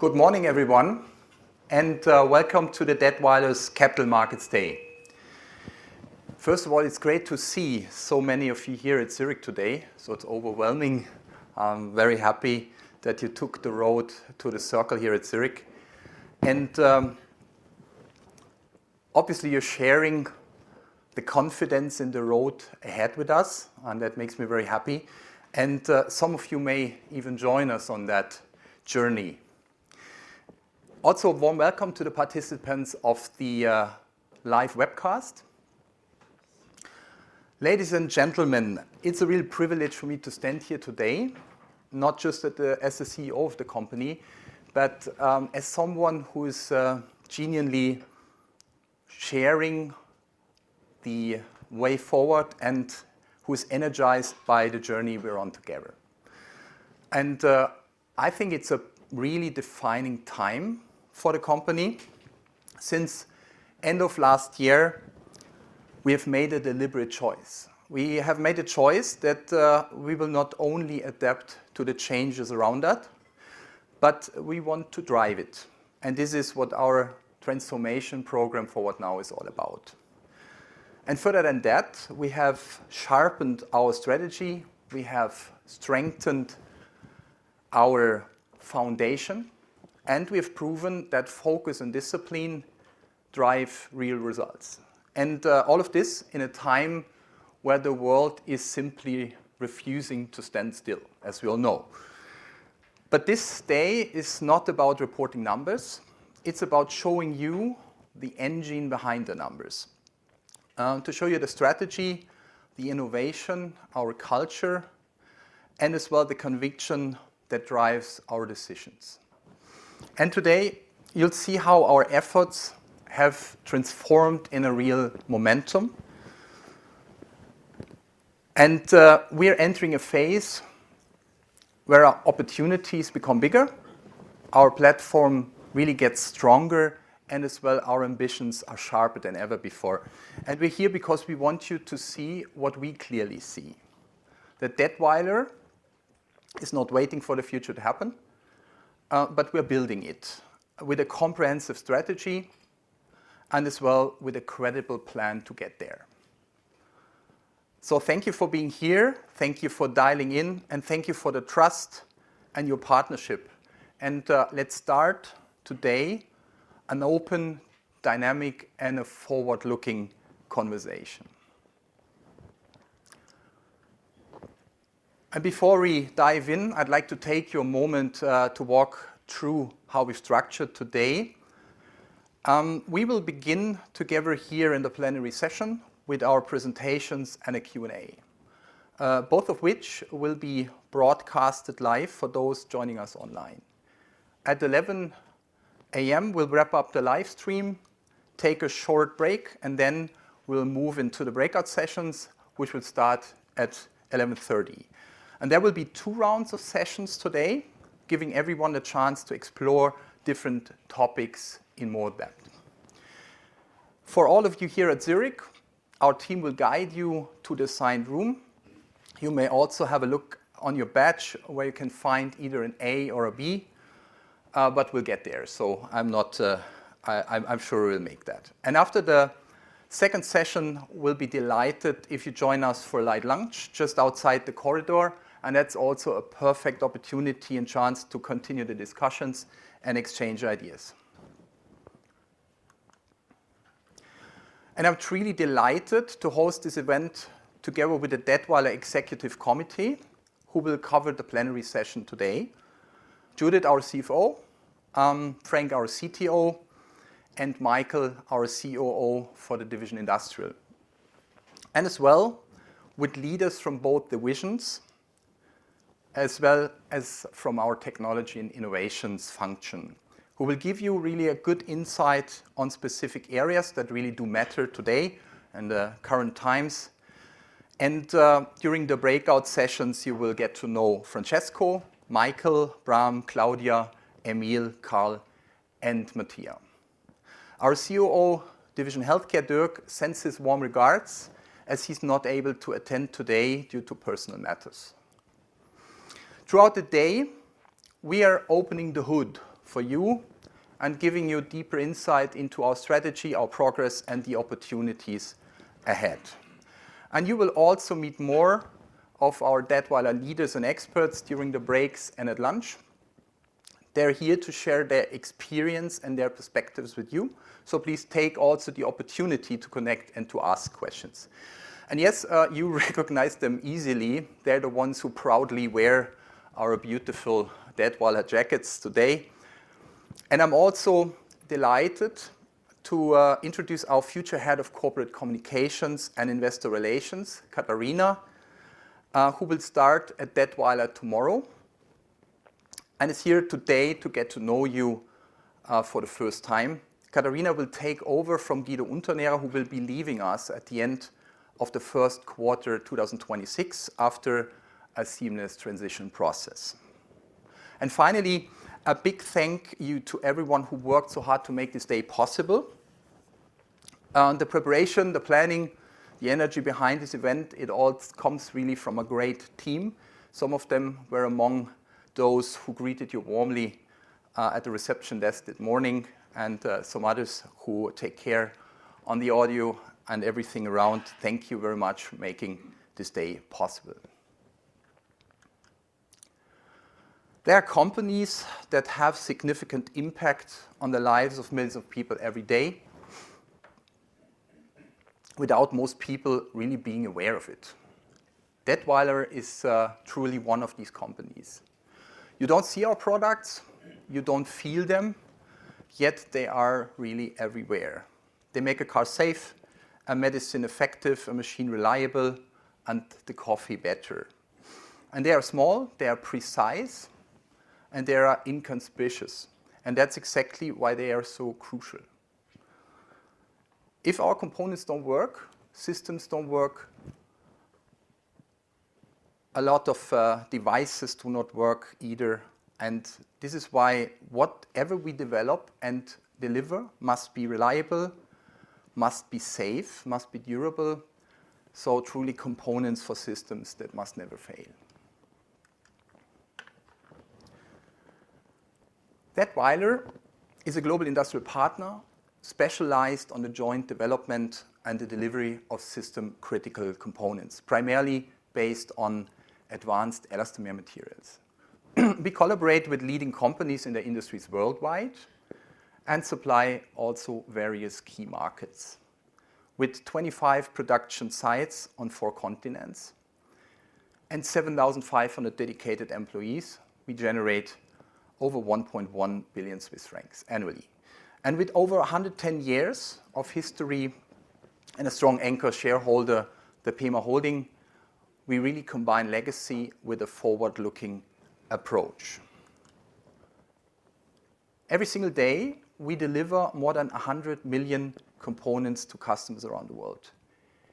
Good morning, everyone, and Welcome to Datwyler's Capital Markets Day. First of all, it's great to see so many of you here at Zurich today, so it's overwhelming. I'm very happy that you took the road to the circle here at Zurich. Obviously, you're sharing the confidence in the road ahead with us, and that makes me very happy. Some of you may even join us on that journey. Also, a warm welcome to the participants of the live webcast. Ladies and gentlemen, it's a real privilege for me to stand here today, not just as the CEO of the company, but as someone who is genuinely sharing the way forward and who is energized by the journey we're on together. I think it's a really defining time for the company since the end of last year, we have made a deliberate choice. We have made a choice that we will not only adapt to the changes around that, but we want to drive it. This is what our transformation program Forward Now is all about. Further than that, we have sharpened our strategy, we have strengthened our foundation, and we have proven that focus and discipline drive real results. All of this in a time where the world is simply refusing to stand still, as we all know. This day is not about reporting numbers. It is about showing you the engine behind the numbers, to show you the strategy, the innovation, our culture, and as well the conviction that drives our decisions. Today, you'll see how our efforts have transformed in a real momentum. We are entering a phase where our opportunities become bigger, our platform really gets stronger, and as well our ambitions are sharper than ever before. We are here because we want you to see what we clearly see, that Datwyler is not waiting for the future to happen, but we are building it with a comprehensive strategy and as well with a credible plan to get there. Thank you for being here. Thank you for dialing in, and thank you for the trust and your partnership. Let's start today an open, dynamic, and forward-looking conversation. Before we dive in, I'd like to take you a moment to walk through how we structured today. We will begin together here in the plenary session with our presentations and a Q&A, both of which will be broadcasted live for those joining us online. At 11:00 A.M., we'll wrap up the live stream, take a short break, and then we'll move into the breakout sessions, which will start at 11:30 A.M.. There will be two rounds of sessions today, giving everyone a chance to explore different topics in more depth. For all of you here at Zurich, our team will guide you to the assigned room. You may also have a look on your badge where you can find either an A or a B, but we'll get there. I'm sure we'll make that. After the second session, we'll be delighted if you join us for a light lunch just outside the corridor. That's also a perfect opportunity and chance to continue the discussions and exchange ideas. I'm truly delighted to host this event together with the Datwyler Executive Committee, who will cover the plenary session today: Judith, our CFO; Frank, our CTO; and Michael, our COO for the division Industrial. As well, with leaders from both divisions, as well as from our technology and innovations function, who will give you really a good insight on specific areas that really do matter today in the current times. During the breakout sessions, you will get to know Francesco, Michael, Bram, Claudia, Emil, Carl, and Matthias. Our COO, division Healthcare, Dirk, sends his warm regards as he's not able to attend today due to personal matters. Throughout the day, we are opening the hood for you and giving you deeper insight into our strategy, our progress, and the opportunities ahead. You will also meet more of our Datwyler leaders and experts during the breaks and at lunch. They are here to share their experience and their perspectives with you. Please take also the opportunity to connect and to ask questions. Yes, you recognize them easily. They are the ones who proudly wear our beautiful Datwyler jackets today. I am also delighted to introduce our future Head of Corporate Communications and Investor Relations, Katharina, who will start at Datwyler tomorrow and is here today to get to know you for the first time. Katharina will take over from Guido Unternährer who will be leaving us at the end of the first quarter 2026 after a seamless transition process. Finally, a big thank you to everyone who worked so hard to make this day possible. The preparation, the planning, the energy behind this event, it all comes really from a great team. Some of them were among those who greeted you warmly at the reception desk this morning, and some others who take care of the audio and everything around. Thank you very much for making this day possible. There are companies that have significant impact on the lives of millions of people every day without most people really being aware of it. Datwyler is truly one of these companies. You don't see our products. You don't feel them, yet they are really everywhere. They make a car safe, a medicine effective, a machine reliable, and the coffee better. They are small. They are precise. They are inconspicuous. That is exactly why they are so crucial. If our components don't work, systems don't work, a lot of devices do not work either. This is why whatever we develop and deliver must be reliable, must be safe, must be durable. Truly components for systems that must never fail. Datwyler is a global industrial partner specialized on the joint development and the delivery of system-critical components, primarily based on advanced elastomer materials. We collaborate with leading companies in the industries worldwide and supply also various key markets. With 25 production sites on four continents and 7,500 dedicated employees, we generate over 1.1 billion Swiss francs annually. With over 110 years of history and a strong anchor shareholder, the PEMA Holding, we really combine legacy with a forward-looking approach. Every single day, we deliver more than 100 million components to customers around the world,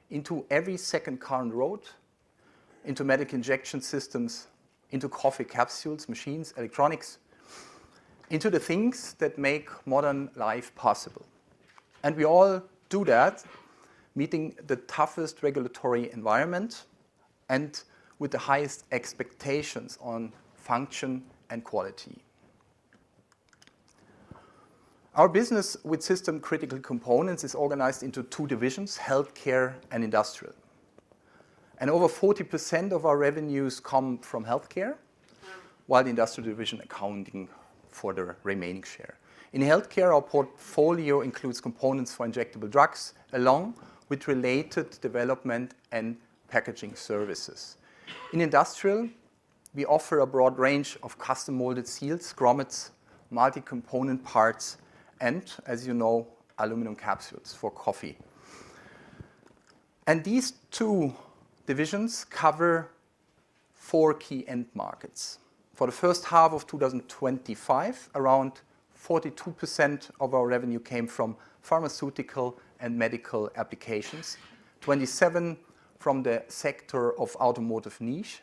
into every second car on the road, into medical injection systems, into coffee capsules, machines, electronics, into the things that make modern life possible. We all do that, meeting the toughest regulatory environment and with the highest expectations on function and quality. Our business with system-critical components is organized into two divisions: healthcare and industrial. Over 40% of our revenues come from healthcare, while the industrial division accounts for the remaining share. In healthcare, our portfolio includes components for injectable drugs along with related development and packaging services. In industrial, we offer a broad range of custom-molded seals, grommets, multi-component parts, and, as you know, aluminum capsules for coffee. These two divisions cover four key end markets. For the first half of 2025, around 42% of our revenue came from pharmaceutical and medical applications, 27% from the sector of automotive niche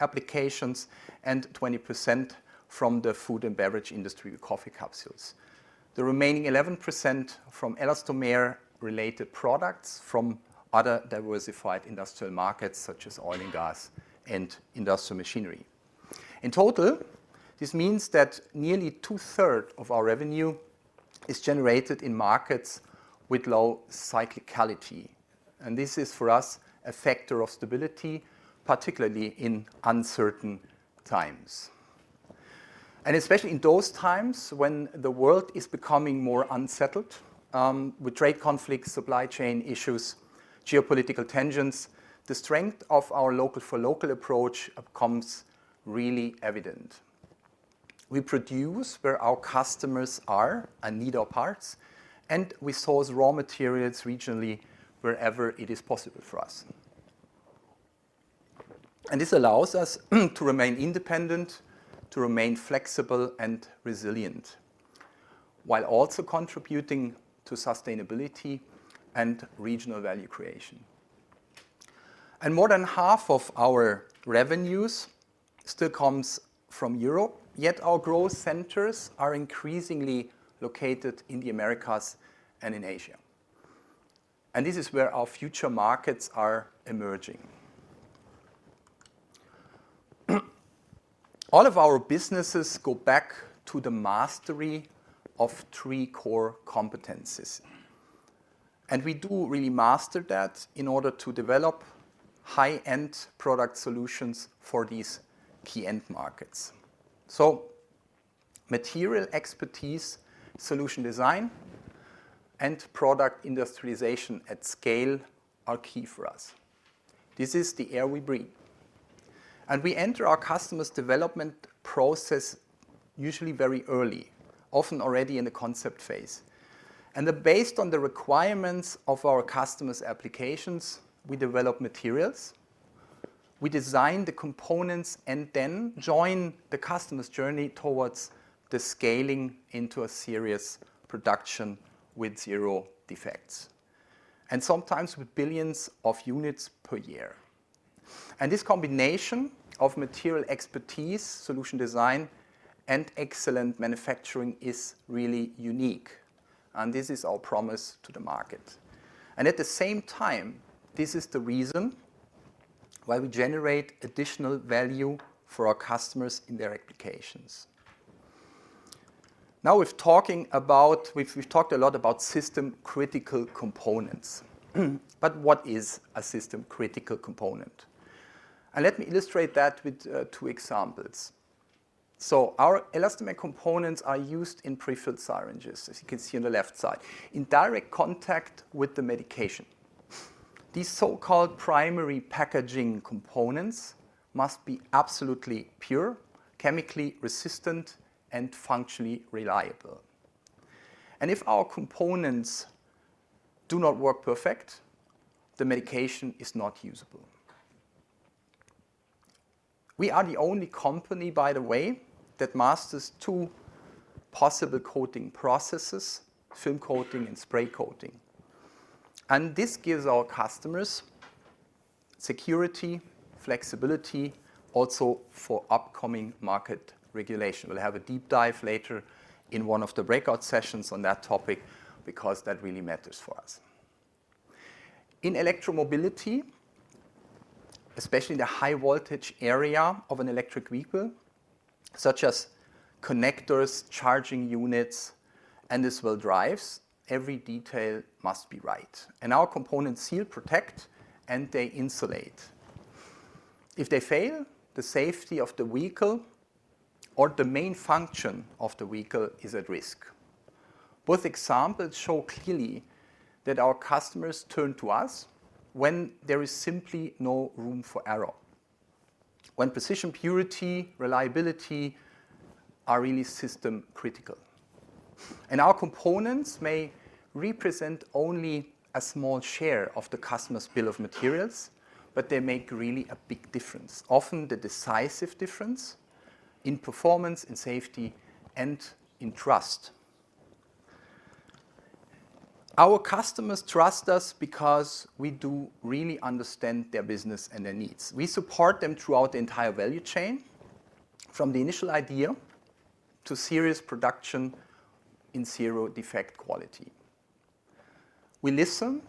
applications, and 20% from the food and beverage industry coffee capsules. The remaining 11% from elastomer-related products from other diversified industrial markets, such as oil and gas and industrial machinery. In total, this means that nearly 2/3 of our revenue is generated in markets with low cyclicality. This is, for us, a factor of stability, particularly in uncertain times. Especially in those times when the world is becoming more unsettled with trade conflicts, supply chain issues, geopolitical tensions, the strength of our local-for-local approach becomes really evident. We produce where our customers are and need our parts, and we source raw materials regionally wherever it is possible for us. This allows us to remain independent, to remain flexible and resilient, while also contributing to sustainability and regional value creation. More than half of our revenues still comes from Europe, yet our growth centers are increasingly located in the Americas and in Asia. This is where our future markets are emerging. All of our businesses go back to the mastery of three core competencies. We do really master that in order to develop high-end product solutions for these key end markets. Material expertise, solution design, and product industrialization at scale are key for us. This is the air we breathe. We enter our customers' development process usually very early, often already in the concept phase. Based on the requirements of our customers' applications, we develop materials, we design the components, and then join the customer's journey towards the scaling into a serious production with zero defects, and sometimes with billions of units per year. This combination of material expertise, solution design, and excellent manufacturing is really unique. This is our promise to the market. At the same time, this is the reason why we generate additional value for our customers in their applications. Now, we've talked a lot about system-critical components. What is a system-critical component? Let me illustrate that with two examples. Our elastomer components are used in prefilled syringes, as you can see on the left side, in direct contact with the medication. These so-called primary packaging components must be absolutely pure, chemically resistant, and functionally reliable. If our components do not work perfect, the medication is not usable. We are the only company, by the way, that masters two possible coating processes: film coating and spray coating. This gives our customers security, flexibility, also for upcoming market regulation. We will have a deep dive later in one of the breakout sessions on that topic because that really matters for us. In electromobility, especially in the high-voltage area of an electric vehicle, such as connectors, charging units, and this wheel drives, every detail must be right. Our components seal, protect, and they insulate. If they fail, the safety of the vehicle or the main function of the vehicle is at risk. Both examples show clearly that our customers turn to us when there is simply no room for error, when precision, purity, reliability are really system-critical. Our components may represent only a small share of the customer's bill of materials, but they make really a big difference, often the decisive difference in performance, in safety, and in trust. Our customers trust us because we do really understand their business and their needs. We support them throughout the entire value chain, from the initial idea to serious production in zero-defect quality. We listen.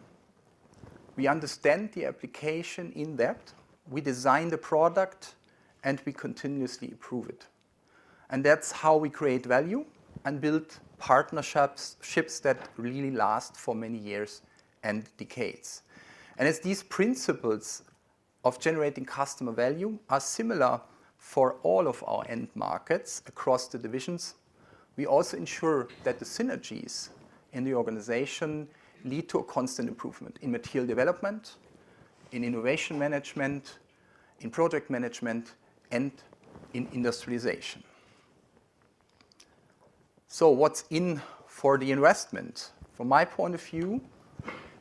We understand the application in depth. We design the product, and we continuously improve it. That is how we create value and build partnerships that really last for many years and decades. As these principles of generating customer value are similar for all of our end markets across the divisions, we also ensure that the synergies in the organization lead to a constant improvement in material development, in innovation management, in project management, and in industrialization. What's in for the investment? From my point of view,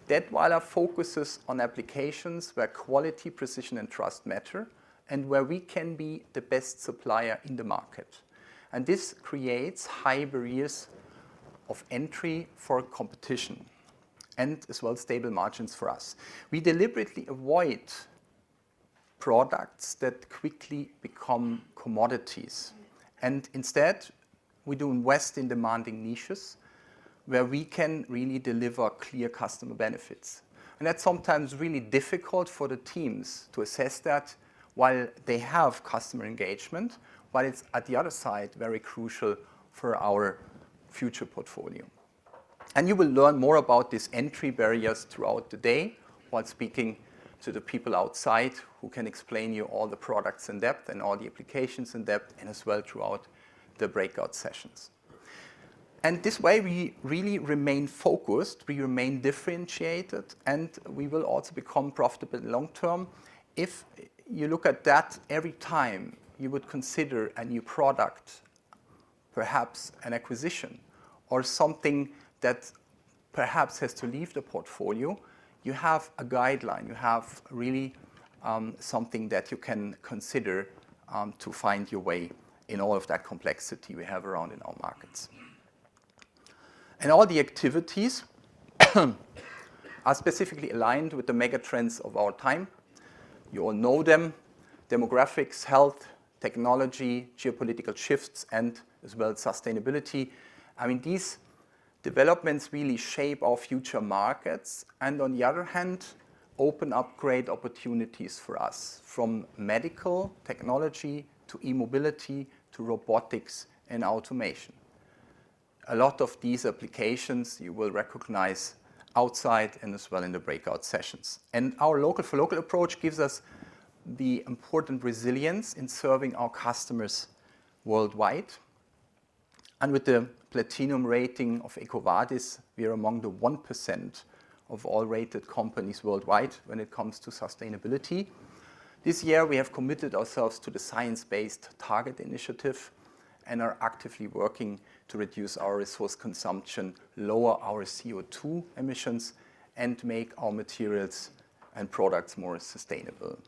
Datwyler focuses on applications where quality, precision, and trust matter, and where we can be the best supplier in the market. This creates high barriers of entry for competition as well as stable margins for us. We deliberately avoid products that quickly become commodities. Instead, we do invest in demanding niches where we can really deliver clear customer benefits. That's sometimes really difficult for the teams to assess while they have customer engagement, while it's at the other side very crucial for our future portfolio. You will learn more about these entry barriers throughout the day while speaking to the people outside who can explain to you all the products in depth and all the applications in depth, as well throughout the breakout sessions. This way, we really remain focused. We remain differentiated, and we will also become profitable long-term. If you look at that, every time you would consider a new product, perhaps an acquisition or something that perhaps has to leave the portfolio, you have a guideline. You have really something that you can consider to find your way in all of that complexity we have around in our markets. All the activities are specifically aligned with the megatrends of our time. You all know them: demographics, health, technology, geopolitical shifts, as well as sustainability. I mean, these developments really shape our future markets and, on the other hand, open up great opportunities for us from medical technology to e-mobility to robotics and automation. A lot of these applications you will recognize outside and as well in the breakout sessions. Our local-for-local approach gives us the important resilience in serving our customers worldwide. With the Platinum rating of EcoVadis, we are among the 1% of all rated companies worldwide when it comes to sustainability. This year, we have committed ourselves to the science-based target initiative and are actively working to reduce our resource consumption, lower our CO2 emissions, and make our materials and products more sustainable.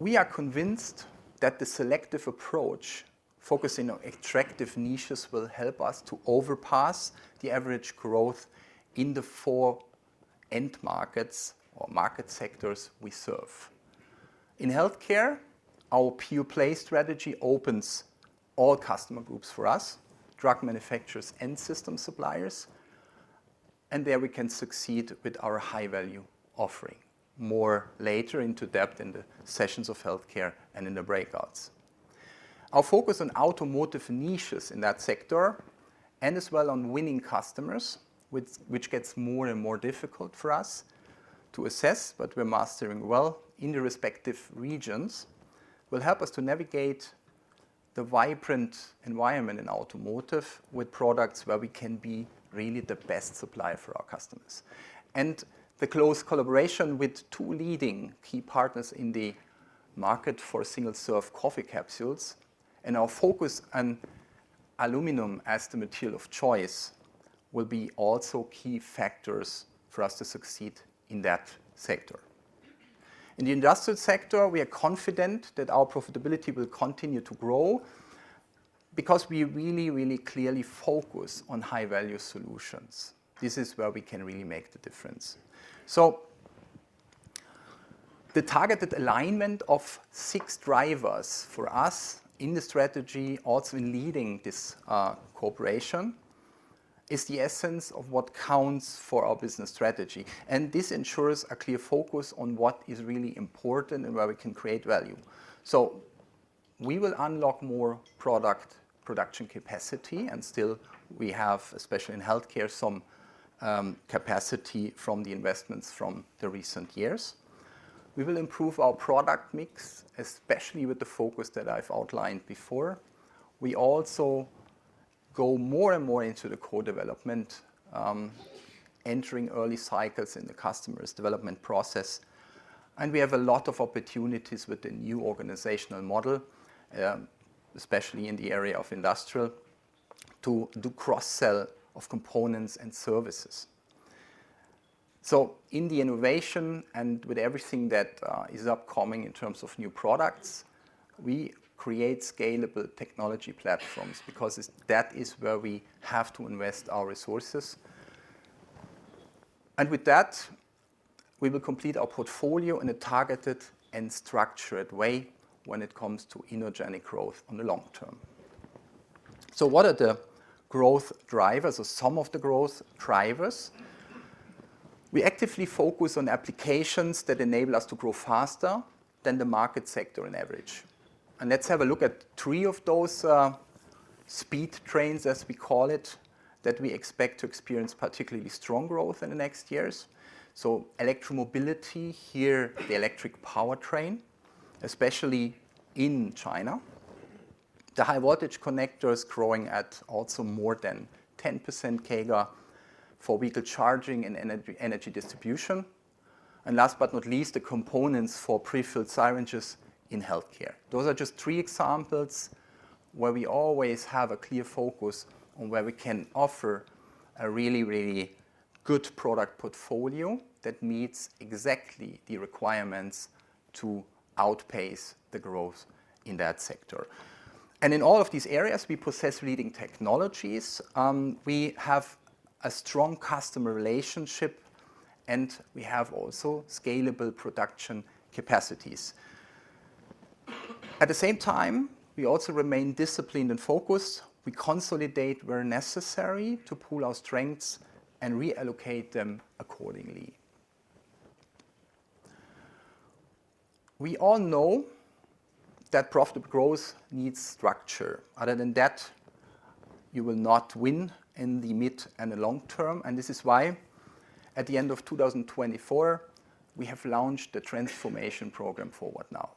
We are convinced that the selective approach focusing on attractive niches will help us to overpass the average growth in the four end markets or market sectors we serve. In healthcare, our PO play strategy opens all customer groups for us: drug manufacturers and system suppliers. There we can succeed with our high-value offering. More later into depth in the sessions of healthcare and in the breakouts. Our focus on automotive niches in that sector and as well on winning customers, which gets more and more difficult for us to assess, but we're mastering well in the respective regions, will help us to navigate the vibrant environment in automotive with products where we can be really the best supplier for our customers. The close collaboration with two leading key partners in the market for single-serve coffee capsules and our focus on aluminum as the material of choice will be also key factors for us to succeed in that sector. In the industrial sector, we are confident that our profitability will continue to grow because we really, really clearly focus on high-value solutions. This is where we can really make the difference. The targeted alignment of six drivers for us in the strategy, also in leading this cooperation, is the essence of what counts for our business strategy. This ensures a clear focus on what is really important and where we can create value. We will unlock more product production capacity. Still, we have, especially in healthcare, some capacity from the investments from the recent years. We will improve our product mix, especially with the focus that I've outlined before. We also go more and more into the core development, entering early cycles in the customer's development process. We have a lot of opportunities with the new organizational model, especially in the area of industrial, to do cross-sell of components and services. In the innovation and with everything that is upcoming in terms of new products, we create scalable technology platforms because that is where we have to invest our resources. With that, we will complete our portfolio in a targeted and structured way when it comes to inorganic growth on the long term. What are the growth drivers or some of the growth drivers? We actively focus on applications that enable us to grow faster than the market sector on average. Let's have a look at three of those speed trains, as we call it, that we expect to experience particularly strong growth in the next years. Electromobility here, the electric power train, especially in China. The high-voltage connector is growing at also more than 10% CAGR for vehicle charging and energy distribution. Last but not least, the components for prefilled syringes in healthcare. Those are just three examples where we always have a clear focus on where we can offer a really, really good product portfolio that meets exactly the requirements to outpace the growth in that sector. In all of these areas, we possess leading technologies. We have a strong customer relationship, and we have also scalable production capacities. At the same time, we also remain disciplined and focused. We consolidate where necessary to pool our strengths and reallocate them accordingly. We all know that profitable growth needs structure. Other than that, you will not win in the mid and the long term. This is why, at the end of 2024, we have launched the transformation program Forward Now.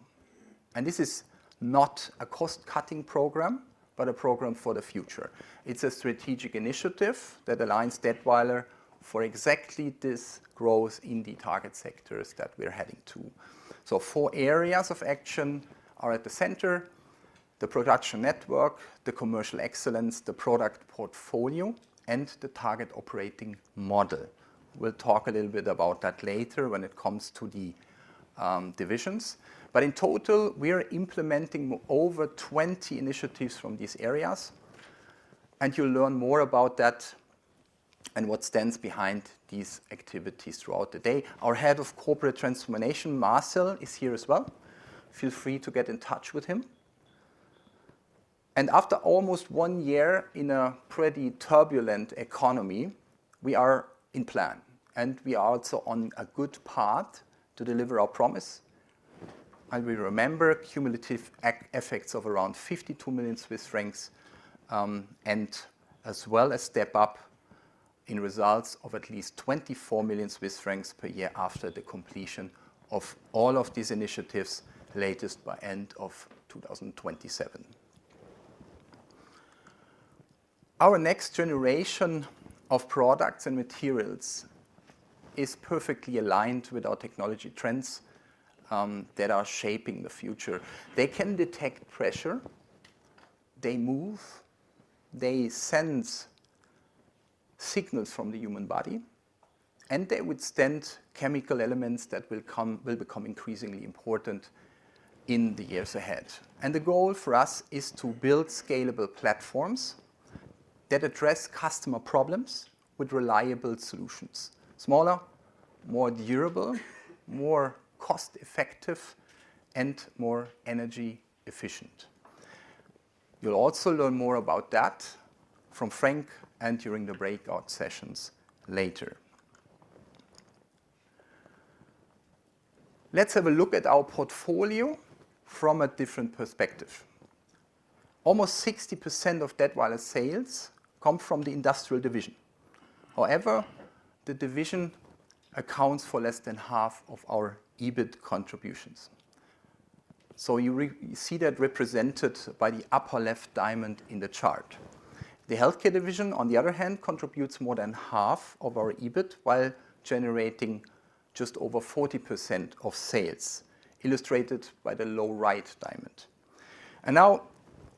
This is not a cost-cutting program, but a program for the future. It's a strategic initiative that aligns Datwyler for exactly this growth in the target sectors that we're heading to. Four areas of action are at the center: the production network, the commercial excellence, the product portfolio, and the target operating model. We'll talk a little bit about that later when it comes to the divisions. In total, we are implementing over 20 initiatives from these areas. You'll learn more about that and what stands behind these activities throughout the day. Our Head of Corporate Transformation, Marcel, is here as well. Feel free to get in touch with him. After almost one year in a pretty turbulent economy, we are in plan. We are also on a good path to deliver our promise. We remember cumulative effects of around 52 million Swiss francs and as well as step up in results of at least 24 million Swiss francs per year after the completion of all of these initiatives, latest by end of 2027. Our next generation of products and materials is perfectly aligned with our technology trends that are shaping the future. They can detect pressure. They move. They sense signals from the human body. They withstand chemical elements that will become increasingly important in the years ahead. The goal for us is to build scalable platforms that address customer problems with reliable solutions: smaller, more durable, more cost-effective, and more energy-efficient. You'll also learn more about that from Frank and during the breakout sessions later. Let's have a look at our portfolio from a different perspective. Almost 60% of Datwyler's sales come from the industrial division. However, the division accounts for less than half of our EBIT contributions. You see that represented by the upper-left diamond in the chart. The healthcare division, on the other hand, contributes more than half of our EBIT while generating just over 40% of sales, illustrated by the lower-right diamond. Now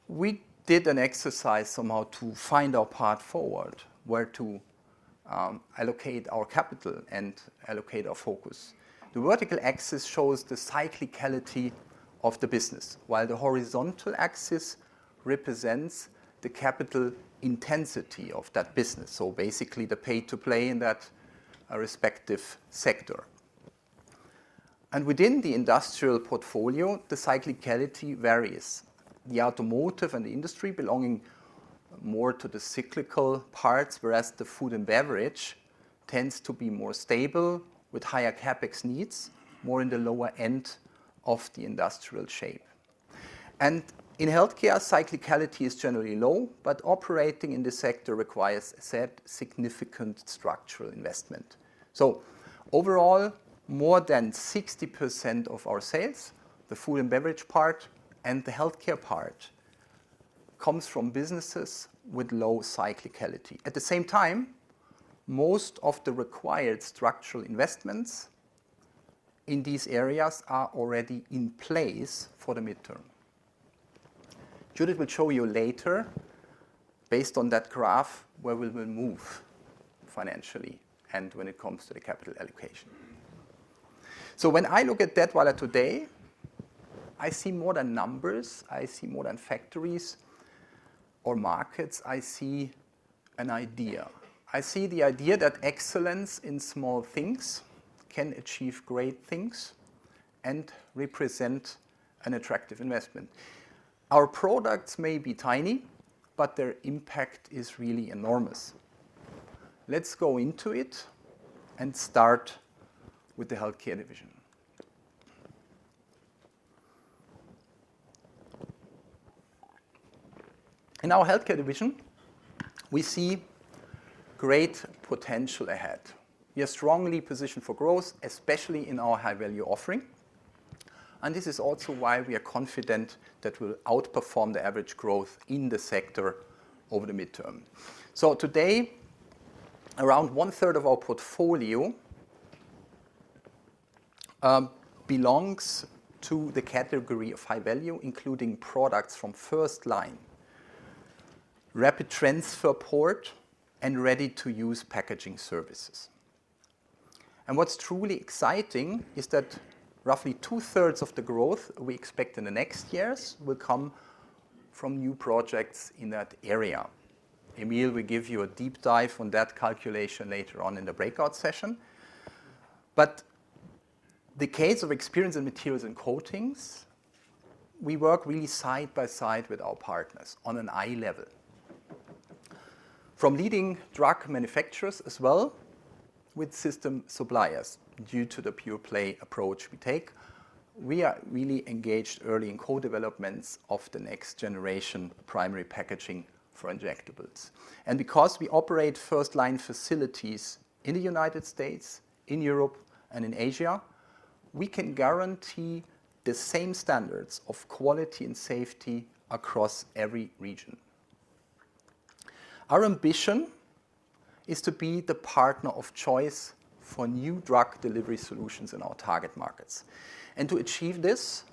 we did an exercise somehow to find our path forward, where to allocate our capital and allocate our focus. The vertical axis shows the cyclicality of the business, while the horizontal axis represents the capital intensity of that business, so basically the pay-to-play in that respective sector. Within the industrial portfolio, the cyclicality varies. The automotive and the industry belonging more to the cyclical parts, whereas the food and beverage tends to be more stable with higher CapEx needs, more in the lower end of the industrial shape. In healthcare, cyclicality is generally low, but operating in the sector requires a significant structural investment. Overall, more than 60% of our sales, the food and beverage part and the healthcare part, comes from businesses with low cyclicality. At the same time, most of the required structural investments in these areas are already in place for the midterm. Judith will show you later, based on that graph, where we will move financially and when it comes to the capital allocation. When I look at Datwyler today, I see more than numbers. I see more than factories or markets. I see an idea. I see the idea that excellence in small things can achieve great things and represent an attractive investment. Our products may be tiny, but their impact is really enormous. Let's go into it and start with the healthcare division. In our healthcare division, we see great potential ahead. We are strongly positioned for growth, especially in our high-value offering. This is also why we are confident that we'll outperform the average growth in the sector over the midterm. Today, around 1/3 of our portfolio belongs to the category of high value, including products from first-line, rapid transfer port, and ready-to-use packaging services. What's truly exciting is that roughly 2/3 of the growth we expect in the next years will come from new projects in that area. Emil, we'll give you a deep dive on that calculation later on in the breakout session. In the case of experience in materials and coatings, we work really side by side with our partners on an eye level. From leading drug manufacturers as well with system suppliers, due to the pure play approach we take, we are really engaged early in co-developments of the next generation primary packaging for injectables. Because we operate first-line facilities in the United States, in Europe, and in Asia, we can guarantee the same standards of quality and safety across every region. Our ambition is to be the partner of choice for new drug delivery solutions in our target markets. To achieve this,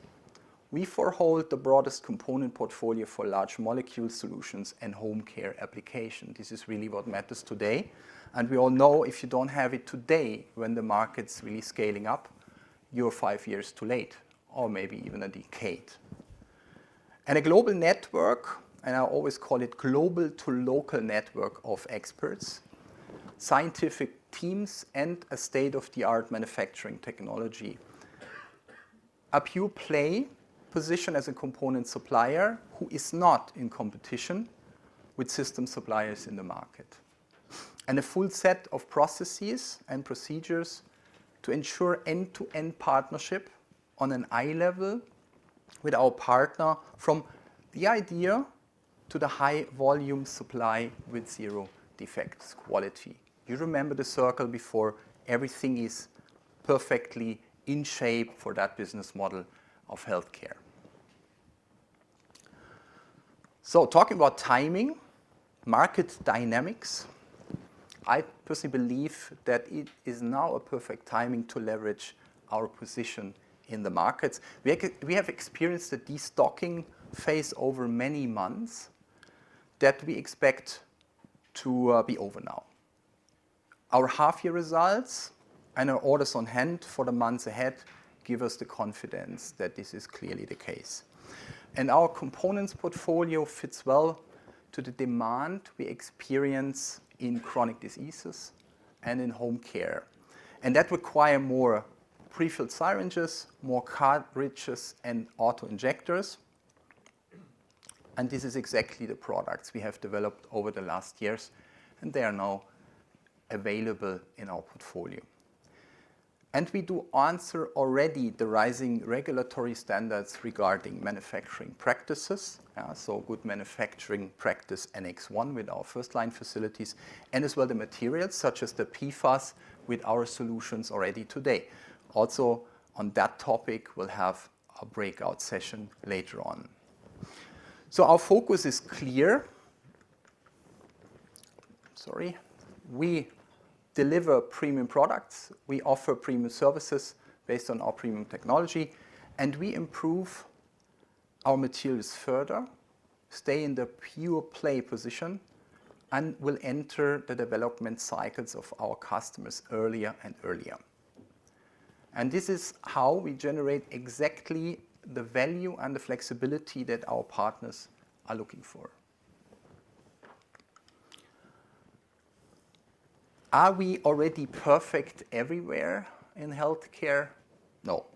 we forehold the broadest component portfolio for large molecule solutions and home care application. This is really what matters today. We all know if you do not have it today, when the market is really scaling up, you are five years too late or maybe even a decade. A global network, and I always call it global to local network of experts, scientific teams, and a state-of-the-art manufacturing technology, a pure play position as a component supplier who is not in competition with system suppliers in the market. A full set of processes and procedures to ensure end-to-end partnership on an eye level with our partner from the idea to the high-volume supply with zero defects quality. You remember the circle before everything is perfectly in shape for that business model of healthcare. Talking about timing, market dynamics, I personally believe that it is now a perfect timing to leverage our position in the markets. We have experienced a destocking phase over many months that we expect to be over now. Our half-year results and our orders on hand for the months ahead give us the confidence that this is clearly the case. Our components portfolio fits well to the demand we experience in chronic diseases and in home care. That requires more prefilled syringes, more cartridges, and auto injectors. This is exactly the products we have developed over the last years, and they are now available in our portfolio. We do answer already the rising regulatory standards regarding manufacturing practices, so good manufacturing practice Annex 1 with our first-line facilities, and as well the materials such as the PFAS with our solutions already today. Also, on that topic, we'll have a breakout session later on. Our focus is clear. Sorry. We deliver premium products. We offer premium services based on our premium technology. We improve our materials further, stay in the pure play position, and will enter the development cycles of our customers earlier and earlier. This is how we generate exactly the value and the flexibility that our partners are looking for. Are we already perfect everywhere in healthcare? No.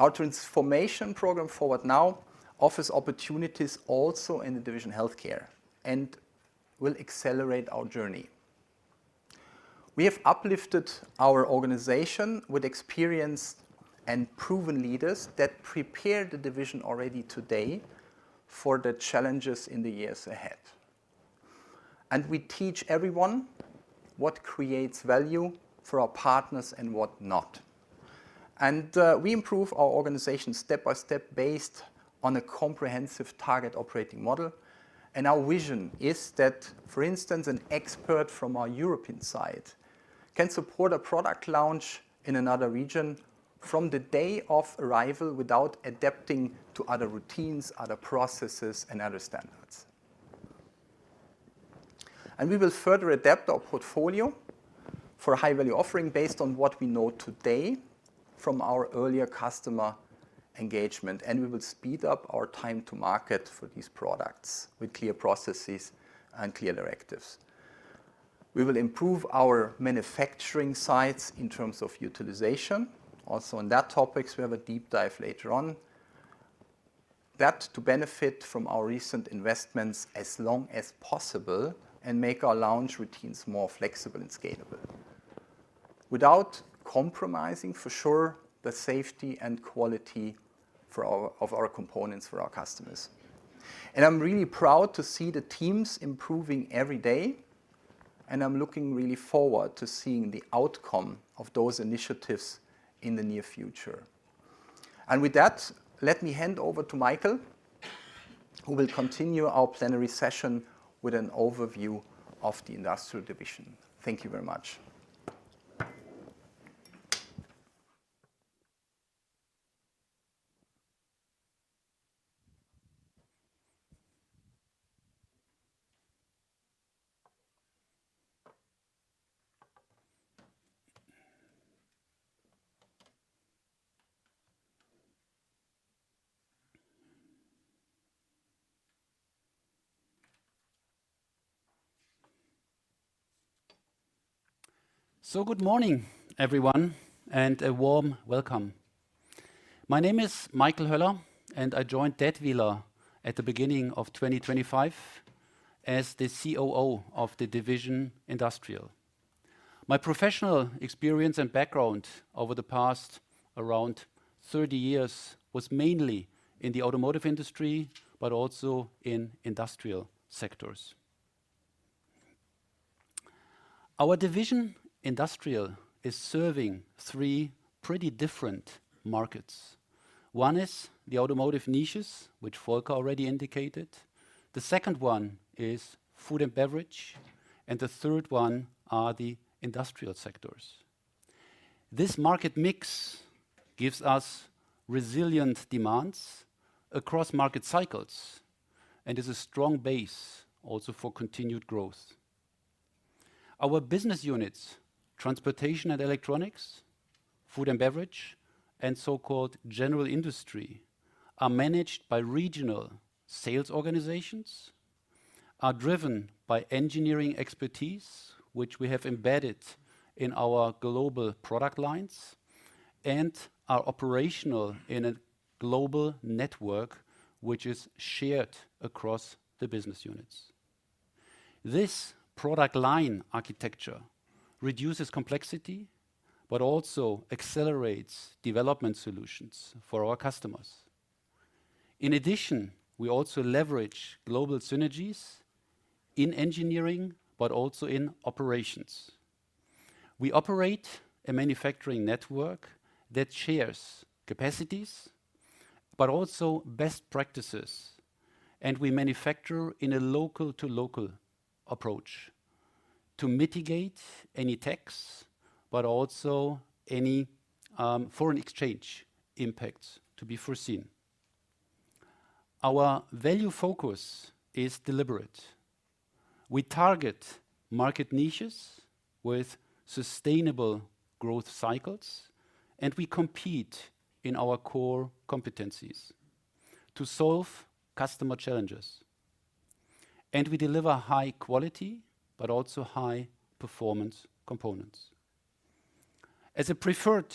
Our transformation program for Forward Now offers opportunities also in the division healthcare and will accelerate our journey. We have uplifted our organization with experienced and proven leaders that prepare the division already today for the challenges in the years ahead. We teach everyone what creates value for our partners and what not. We improve our organization step by step based on a comprehensive target operating model. Our vision is that, for instance, an expert from our European side can support a product launch in another region from the day of arrival without adapting to other routines, other processes, and other standards. We will further adapt our portfolio for high-value offering based on what we know today from our earlier customer engagement. We will speed up our time to market for these products with clear processes and clear directives. We will improve our manufacturing sites in terms of utilization. Also on that topic, we have a deep dive later on. That is to benefit from our recent investments as long as possible and make our launch routines more flexible and scalable without compromising, for sure, the safety and quality of our components for our customers. I am really proud to see the teams improving every day. I am looking really forward to seeing the outcome of those initiatives in the near future. With that, let me hand over to Michael, who will continue our plenary session with an overview of the industrial division. Thank you very much. Good morning, everyone, and a warm welcome. My name is Michael Höller, and I joined Datwyler at the beginning of 2025 as the COO of the division Industrial. My professional experience and background over the past around 30 years was mainly in the automotive industry, but also in industrial sectors. Our division Industrial is serving three pretty different markets. One is the automotive niches, which Volker already indicated. The second one is food and beverage, and the third one are the industrial sectors. This market mix gives us resilient demands across market cycles and is a strong base also for continued growth. Our business units, transportation and electronics, food and beverage, and so-called general industry are managed by regional sales organizations, are driven by engineering expertise, which we have embedded in our global product lines, and are operational in a global network, which is shared across the business units. This product line architecture reduces complexity, but also accelerates development solutions for our customers. In addition, we also leverage global synergies in engineering, but also in operations. We operate a manufacturing network that shares capacities, but also best practices, and we manufacture in a local-for-local approach to mitigate any tax, but also any foreign exchange impacts to be foreseen. Our value focus is deliberate. We target market niches with sustainable growth cycles, and we compete in our core competencies to solve customer challenges. We deliver high quality, but also high performance components. As a preferred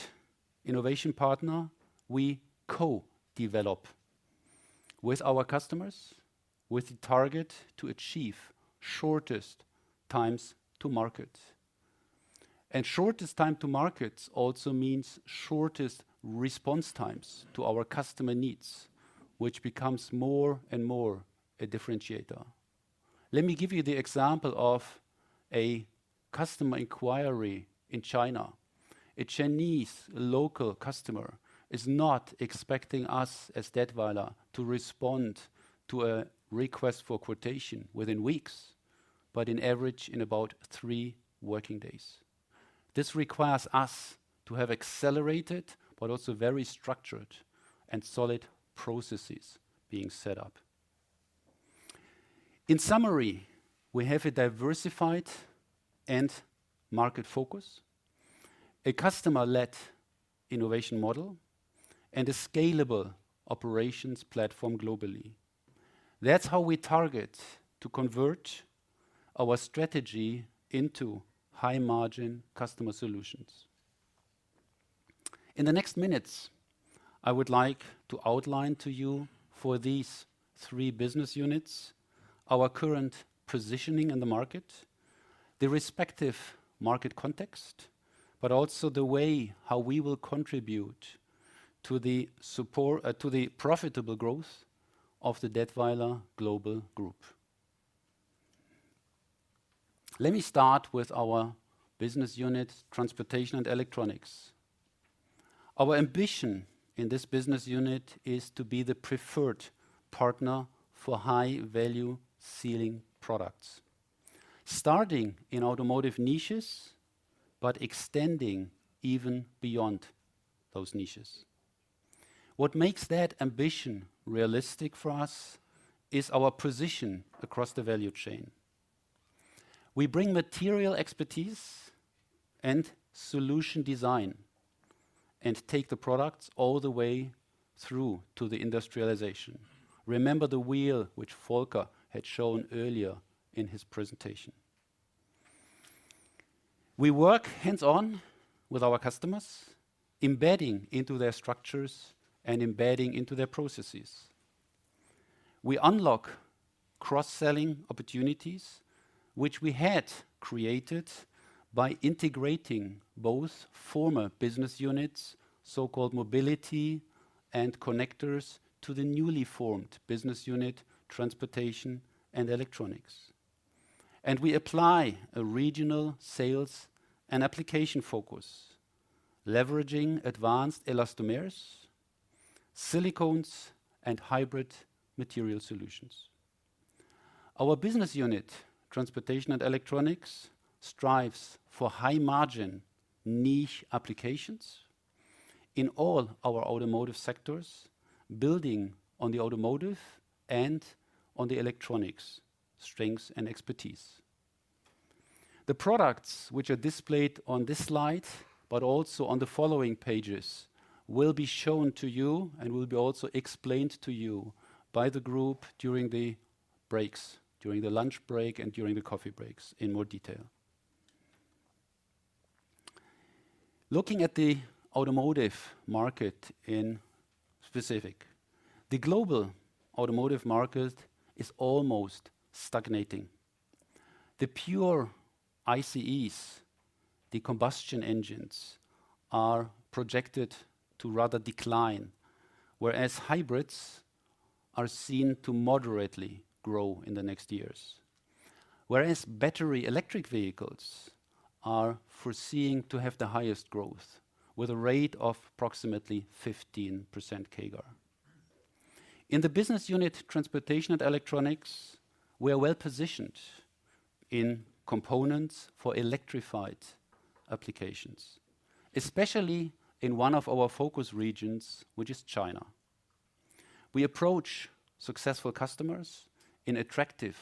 innovation partner, we co-develop with our customers with the target to achieve shortest times to market. Shortest time to market also means shortest response times to our customer needs, which becomes more and more a differentiator. Let me give you the example of a customer inquiry in China. A Chinese local customer is not expecting us as Datwyler to respond to a request for quotation within weeks, but on average in about three working days. This requires us to have accelerated, but also very structured and solid processes being set up. In summary, we have a diversified and market focus, a customer-led innovation model, and a scalable operations platform globally. That is how we target to convert our strategy into high-margin customer solutions. In the next minutes, I would like to outline to you for these three business units our current positioning in the market, the respective market context, but also the way how we will contribute to the profitable growth of the Datwyler Global Group. Let me start with our business unit, transportation and electronics. Our ambition in this business unit is to be the preferred partner for high-value sealing products, starting in automotive niches, but extending even beyond those niches. What makes that ambition realistic for us is our position across the value chain. We bring material expertise and solution design and take the products all the way through to the industrialization. Remember the wheel which Volker had shown earlier in his presentation. We work hands-on with our customers, embedding into their structures and embedding into their processes. We unlock cross-selling opportunities, which we had created by integrating both former business units, so-called mobility and connectors, to the newly formed business unit, transportation and electronics. We apply a regional sales and application focus, leveraging advanced elastomers, silicones, and hybrid material solutions. Our business unit, transportation and electronics, strives for high-margin niche applications in all our automotive sectors, building on the automotive and on the electronics strengths and expertise. The products which are displayed on this slide, but also on the following pages, will be shown to you and will be also explained to you by the group during the breaks, during the lunch break and during the coffee breaks in more detail. Looking at the automotive market in specific, the global automotive market is almost stagnating. The pure ICEs, the combustion engines, are projected to rather decline, whereas hybrids are seen to moderately grow in the next years, whereas battery electric vehicles are foreseen to have the highest growth with a rate of approximately 15% CAGR. In the business unit, transportation and electronics, we are well positioned in components for electrified applications, especially in one of our focus regions, which is China. We approach successful customers in attractive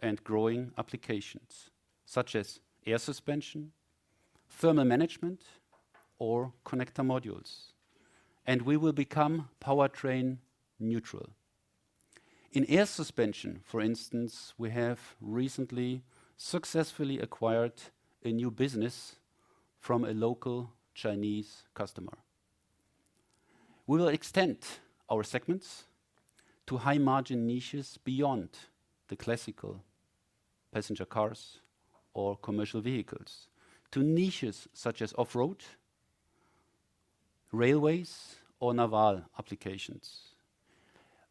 and growing applications such as air suspension, thermal management, or connector modules, and we will become powertrain neutral. In air suspension, for instance, we have recently successfully acquired a new business from a local Chinese customer. We will extend our segments to high-margin niches beyond the classical passenger cars or commercial vehicles to niches such as off-road, railways, or naval applications.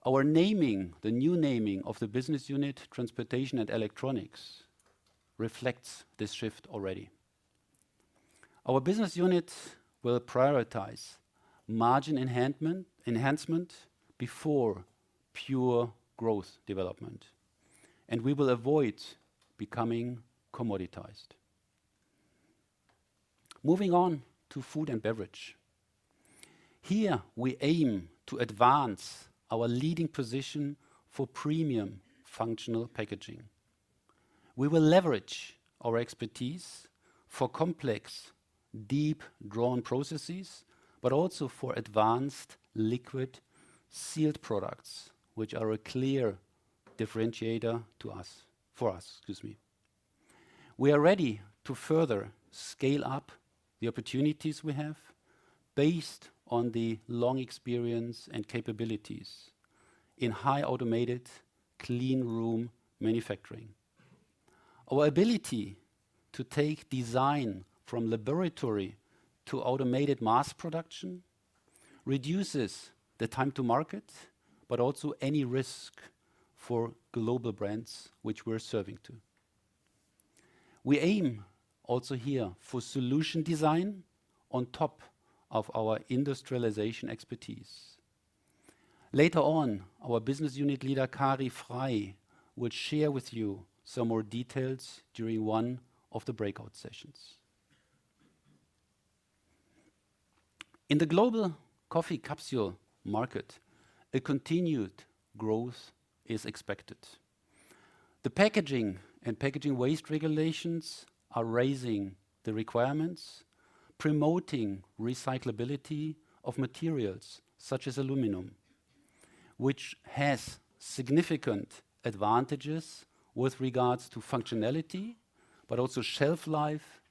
Our naming, the new naming of the business unit, transportation and electronics, reflects this shift already. Our business unit will prioritize margin enhancement before pure growth development, and we will avoid becoming commoditized. Moving on to food and beverage. Here, we aim to advance our leading position for premium functional packaging. We will leverage our expertise for complex, deep-drawn processes, but also for advanced liquid sealed products, which are a clear differentiator to us, for us, excuse me. We are ready to further scale up the opportunities we have based on the long experience and capabilities in high automated clean room manufacturing. Our ability to take design from laboratory to automated mass production reduces the time to market, but also any risk for global brands which we're serving to. We aim also here for solution design on top of our industrialization expertise. Later on, our business unit leader, Kari Frey, will share with you some more details during one of the breakout sessions. In the global coffee capsule market, a continued growth is expected. The packaging and packaging waste regulations are raising the requirements, promoting recyclability of materials such as aluminum, which has significant advantages with regards to functionality, but also shelf life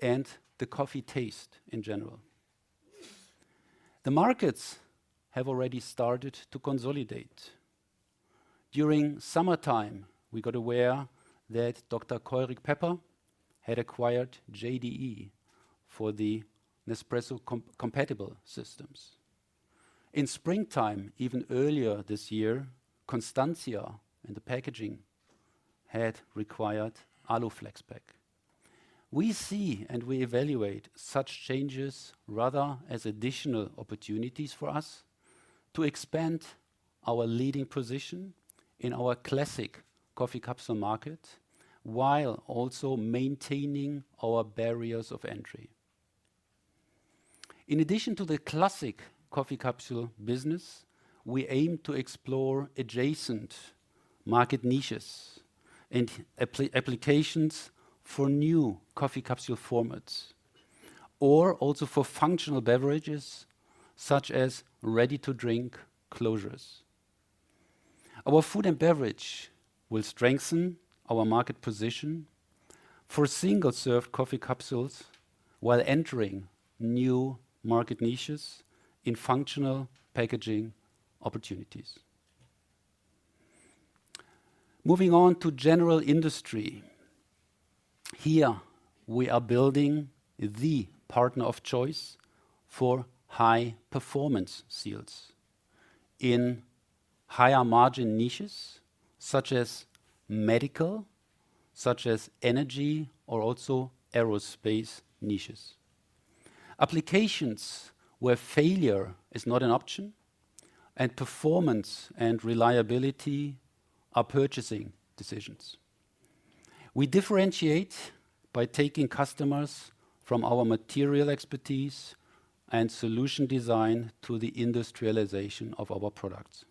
and the coffee taste in general. The markets have already started to consolidate. During summertime, we got aware that Dr. Keurig Pepper had acquired JDE for the Nespresso compatible systems. In springtime, even earlier this year, Constantia Packaging had acquired Aluflexpack. We see and we evaluate such changes rather as additional opportunities for us to expand our leading position in our classic coffee capsule market while also maintaining our barriers of entry. In addition to the classic coffee capsule business, we aim to explore adjacent market niches and applications for new coffee capsule formats or also for functional beverages such as ready-to-drink closures. Our food and beverage will strengthen our market position for single-serve coffee capsules while entering new market niches in functional packaging opportunities. Moving on to general industry. Here, we are building the partner of choice for high-performance seals in higher margin niches such as medical, such as energy or also aerospace niches. Applications where failure is not an option and performance and reliability are purchasing decisions. We differentiate by taking customers from our material expertise and solution design to the industrialization of our products.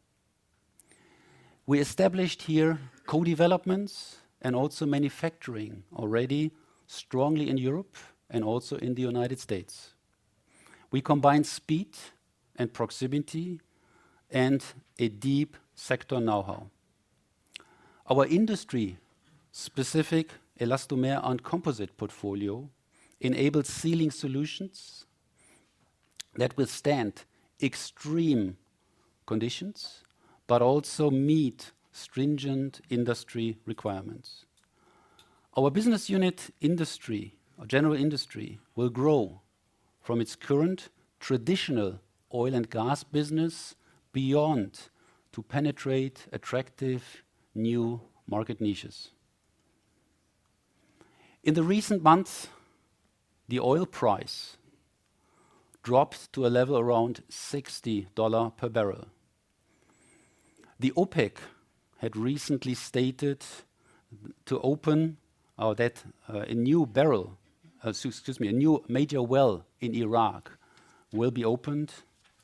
We established here co-developments and also manufacturing already strongly in Europe and also in the United States. We combine speed and proximity and a deep sector know-how. Our industry-specific elastomer and composite portfolio enables sealing solutions that withstand extreme conditions, but also meet stringent industry requirements. Our business unit industry, our general industry, will grow from its current traditional oil and gas business beyond to penetrate attractive new market niches. In the recent months, the oil price dropped to a level around $60 per barrel. OPEC had recently stated to open a new barrel, excuse me, a new major well in Iraq will be opened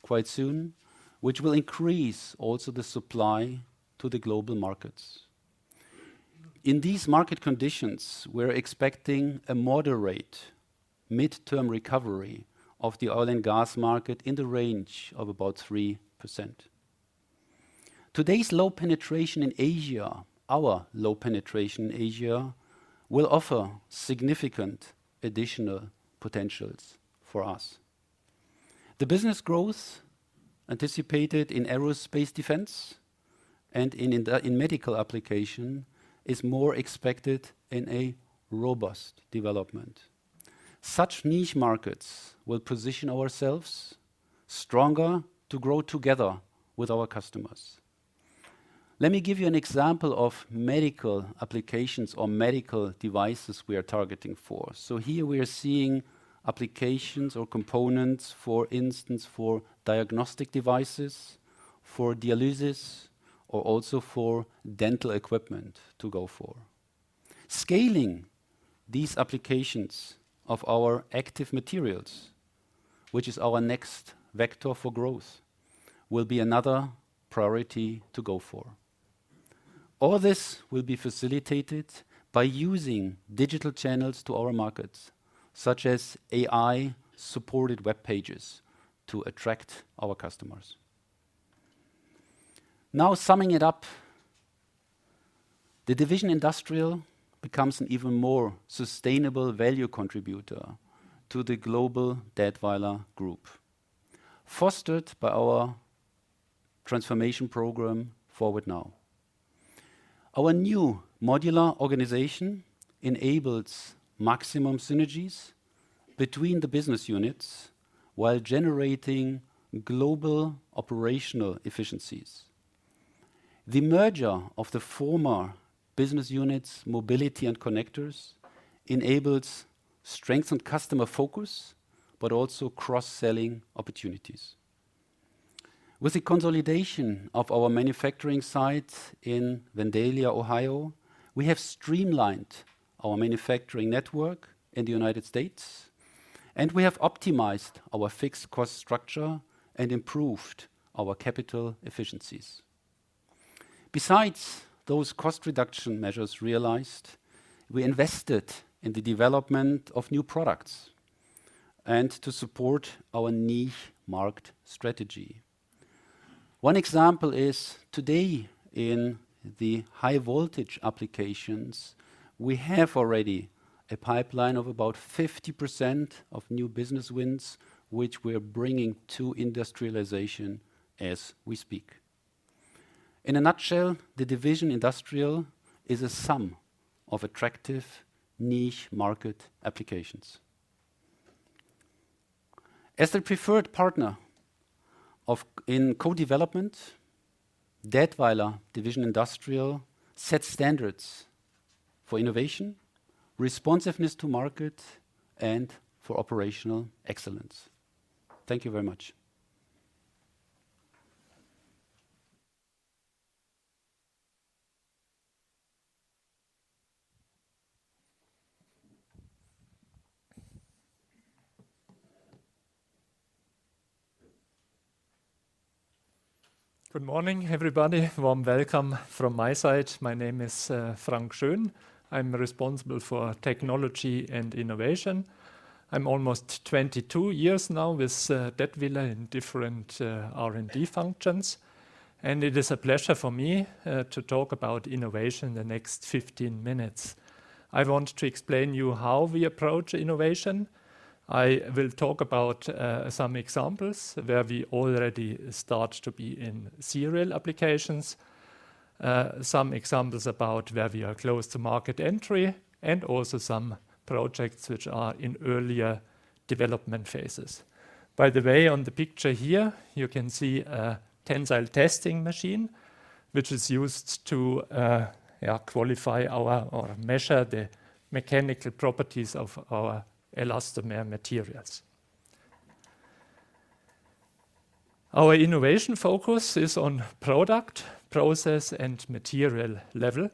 quite soon, which will increase also the supply to the global markets. In these market conditions, we're expecting a moderate midterm recovery of the oil and gas market in the range of about 3%. Today's low penetration in Asia, our low penetration in Asia, will offer significant additional potentials for us. The business growth anticipated in aerospace defense and in medical application is more expected in a robust development. Such niche markets will position ourselves stronger to grow together with our customers. Let me give you an example of medical applications or medical devices we are targeting for. Here we are seeing applications or components, for instance, for diagnostic devices, for dialysis, or also for dental equipment to go for. Scaling these applications of our active materials, which is our next vector for growth, will be another priority to go for. All this will be facilitated by using digital channels to our markets, such as AI-supported web pages to attract our customers. Now, summing it up, the division Industrial becomes an even more sustainable value contributor to the global Datwyler Group, fostered by our transformation program Forward Now. Our new modular organization enables maximum synergies between the business units while generating global operational efficiencies. The merger of the former business units, Mobility and Connectors, enables strengthened customer focus, but also cross-selling opportunities. With the consolidation of our manufacturing site in Vandalia, Ohio, we have streamlined our manufacturing network in the United States, and we have optimized our fixed cost structure and improved our capital efficiencies. Besides those cost reduction measures realized, we invested in the development of new products and to support our niche-market strategy. One example is today in the high-voltage applications, we have already a pipeline of about 50% of new business wins, which we are bringing to industrialization as we speak. In a nutshell, the division Industrial is a sum of attractive niche market applications. As the preferred partner in co-development, Datwyler Division Industrial sets standards for innovation, responsiveness to market, and for operational excellence. Thank you very much. Good morning, everybody. Warm welcome from my side. My name is Frank Schön. I'm responsible for technology and innovation. I'm almost 22 years now with Datwyler in different R&D functions, and it is a pleasure for me to talk about innovation in the next 15 minutes. I want to explain to you how we approach innovation. I will talk about some examples where we already start to be in serial applications, some examples about where we are close to market entry, and also some projects which are in earlier development phases. By the way, on the picture here, you can see a tensile testing machine, which is used to qualify or measure the mechanical properties of our elastomer materials. Our innovation focus is on product, process, and material level,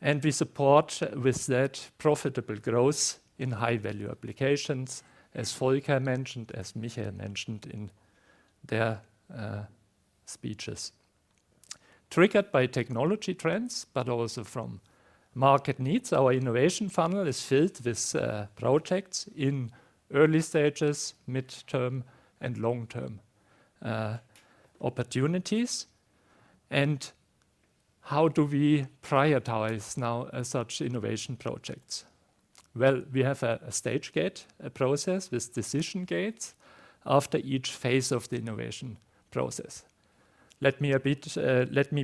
and we support with that profitable growth in high-value applications, as Volker mentioned, as Michael mentioned in their speeches. Triggered by technology trends, but also from market needs, our innovation funnel is filled with projects in early stages, midterm, and long-term opportunities. How do we prioritize now such innovation projects? We have a stage gate process with decision gates after each phase of the innovation process. Let me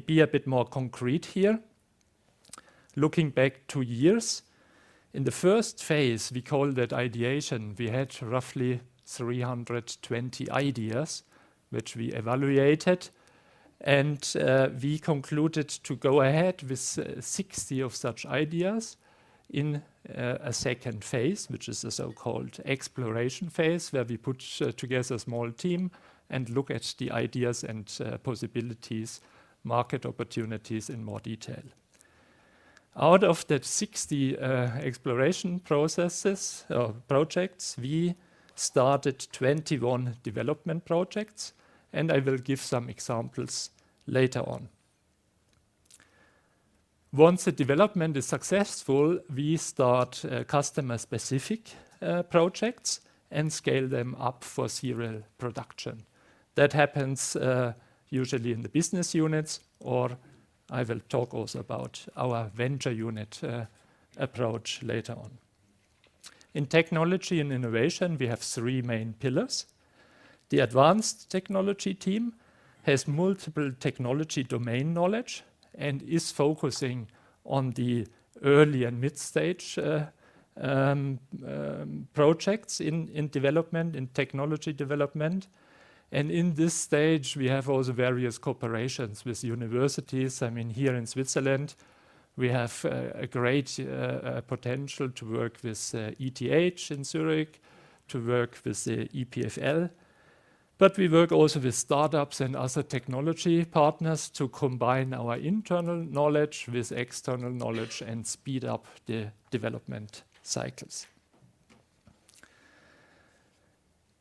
be a bit more concrete here. Looking back two years, in the first phase, we called it ideation. We had roughly 320 ideas, which we evaluated, and we concluded to go ahead with 60 of such ideas in a second phase, which is the so-called exploration phase, where we put together a small team and look at the ideas and possibilities, market opportunities in more detail. Out of that 60 exploration processes or projects, we started 21 development projects, and I will give some examples later on. Once the development is successful, we start customer-specific projects and scale them up for serial production. That happens usually in the business units, or I will talk also about our venture unit approach later on. In technology and innovation, we have three main pillars. The advanced technology team has multiple technology domain knowledge and is focusing on the early and mid-stage projects in development, in technology development. I mean, in this stage, we have also various cooperations with universities. I mean, here in Switzerland, we have a great potential to work with ETH in Zurich, to work with EPFL. We work also with startups and other technology partners to combine our internal knowledge with external knowledge and speed up the development cycles.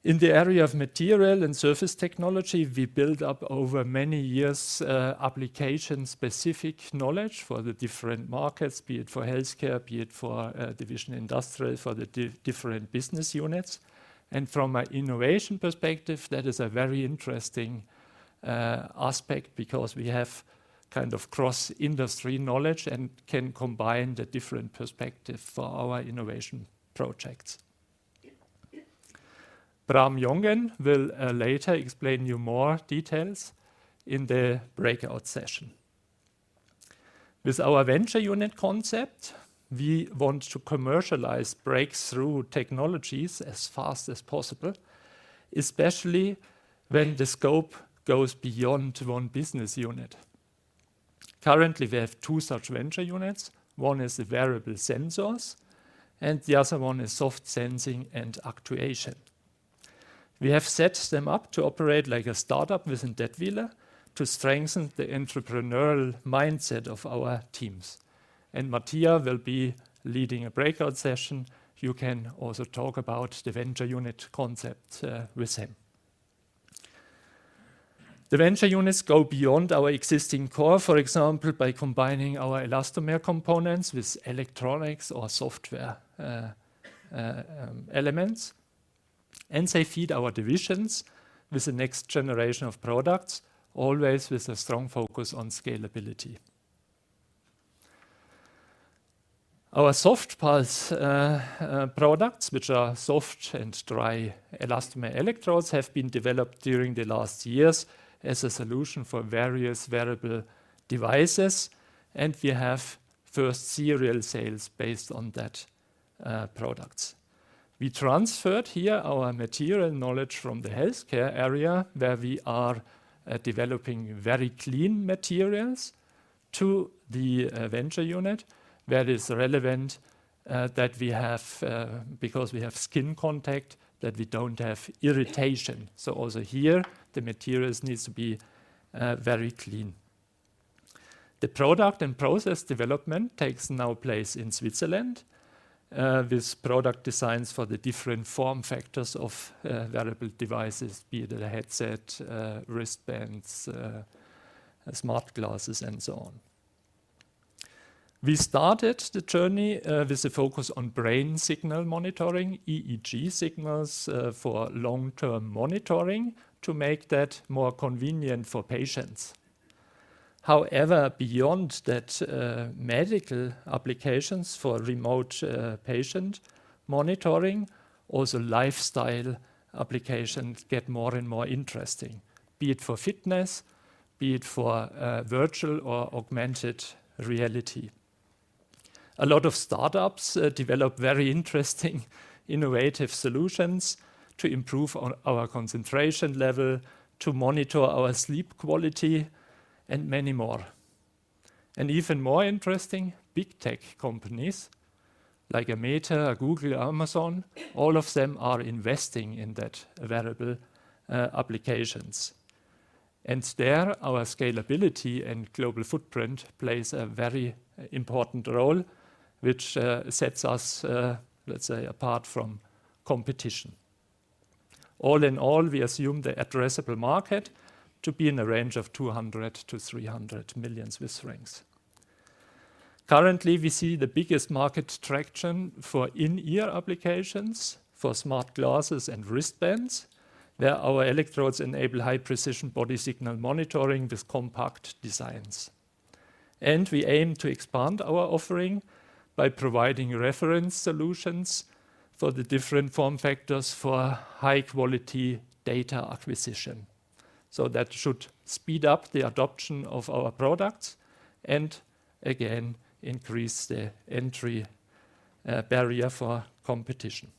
In the area of material and surface technology, we build up over many years application-specific knowledge for the different markets, be it for healthcare, be it for division industrial, for the different business units. From an innovation perspective, that is a very interesting aspect because we have kind of cross-industry knowledge and can combine the different perspectives for our innovation projects. Bram Jongen will later explain to you more details in the breakout session. With our venture unit concept, we want to commercialize breakthrough technologies as fast as possible, especially when the scope goes beyond one business unit. Currently, we have two such venture units. One is variable sensors, and the other one is soft sensing and actuation. We have set them up to operate like a startup within Datwyler to strengthen the entrepreneurial mindset of our teams. Matthias will be leading a breakout session. You can also talk about the venture unit concept with him. The venture units go beyond our existing core, for example, by combining our elastomer components with electronics or software elements, and they feed our divisions with the next generation of products, always with a strong focus on scalability. Our soft pulse products, which are soft and dry elastomer electrodes, have been developed during the last years as a solution for various wearable devices, and we have first serial sales based on that products. We transferred here our material knowledge from the healthcare area, where we are developing very clean materials, to the venture unit where it is relevant that we have, because we have skin contact, that we do not have irritation. Also here, the materials need to be very clean. The product and process development takes now place in Switzerland with product designs for the different form factors of wearable devices, be it a headset, wristbands, smart glasses, and so on. We started the journey with a focus on brain signal monitoring, EEG signals for long-term monitoring to make that more convenient for patients. However, beyond that medical applications for remote patient monitoring, also lifestyle applications get more and more interesting, be it for fitness, be it for virtual or augmented reality. A lot of startups develop very interesting innovative solutions to improve our concentration level, to monitor our sleep quality, and many more. Even more interesting, big tech companies like Meta, Google, Amazon, all of them are investing in that wearable applications. There, our scalability and global footprint plays a very important role, which sets us, let's say, apart from competition. All in all, we assume the addressable market to be in the range of 200 million-300 million Swiss francs. Currently, we see the biggest market traction for in-ear applications for smart glasses and wristbands, where our electrodes enable high-precision body signal monitoring with compact designs. We aim to expand our offering by providing reference solutions for the different form factors for high-quality data acquisition. That should speed up the adoption of our products and, again, increase the entry barrier for competition.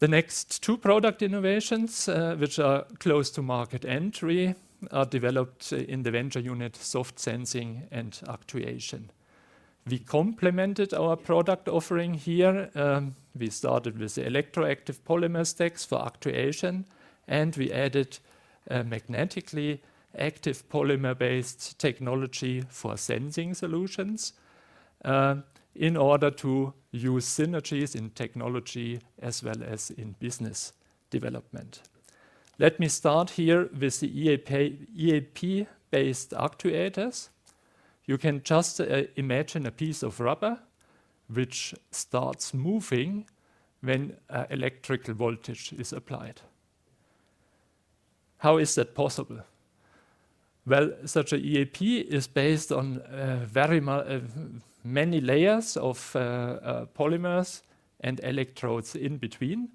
The next two product innovations, which are close to market entry, are developed in the venture unit soft sensing and actuation. We complemented our product offering here. We started with the electroactive polymer stacks for actuation, and we added magnetically active polymer-based technology for sensing solutions in order to use synergies in technology as well as in business development. Let me start here with the EAP-based actuators. You can just imagine a piece of rubber which starts moving when electrical voltage is applied. How is that possible? Well, such an EAP is based on many layers of polymers and electrodes in between.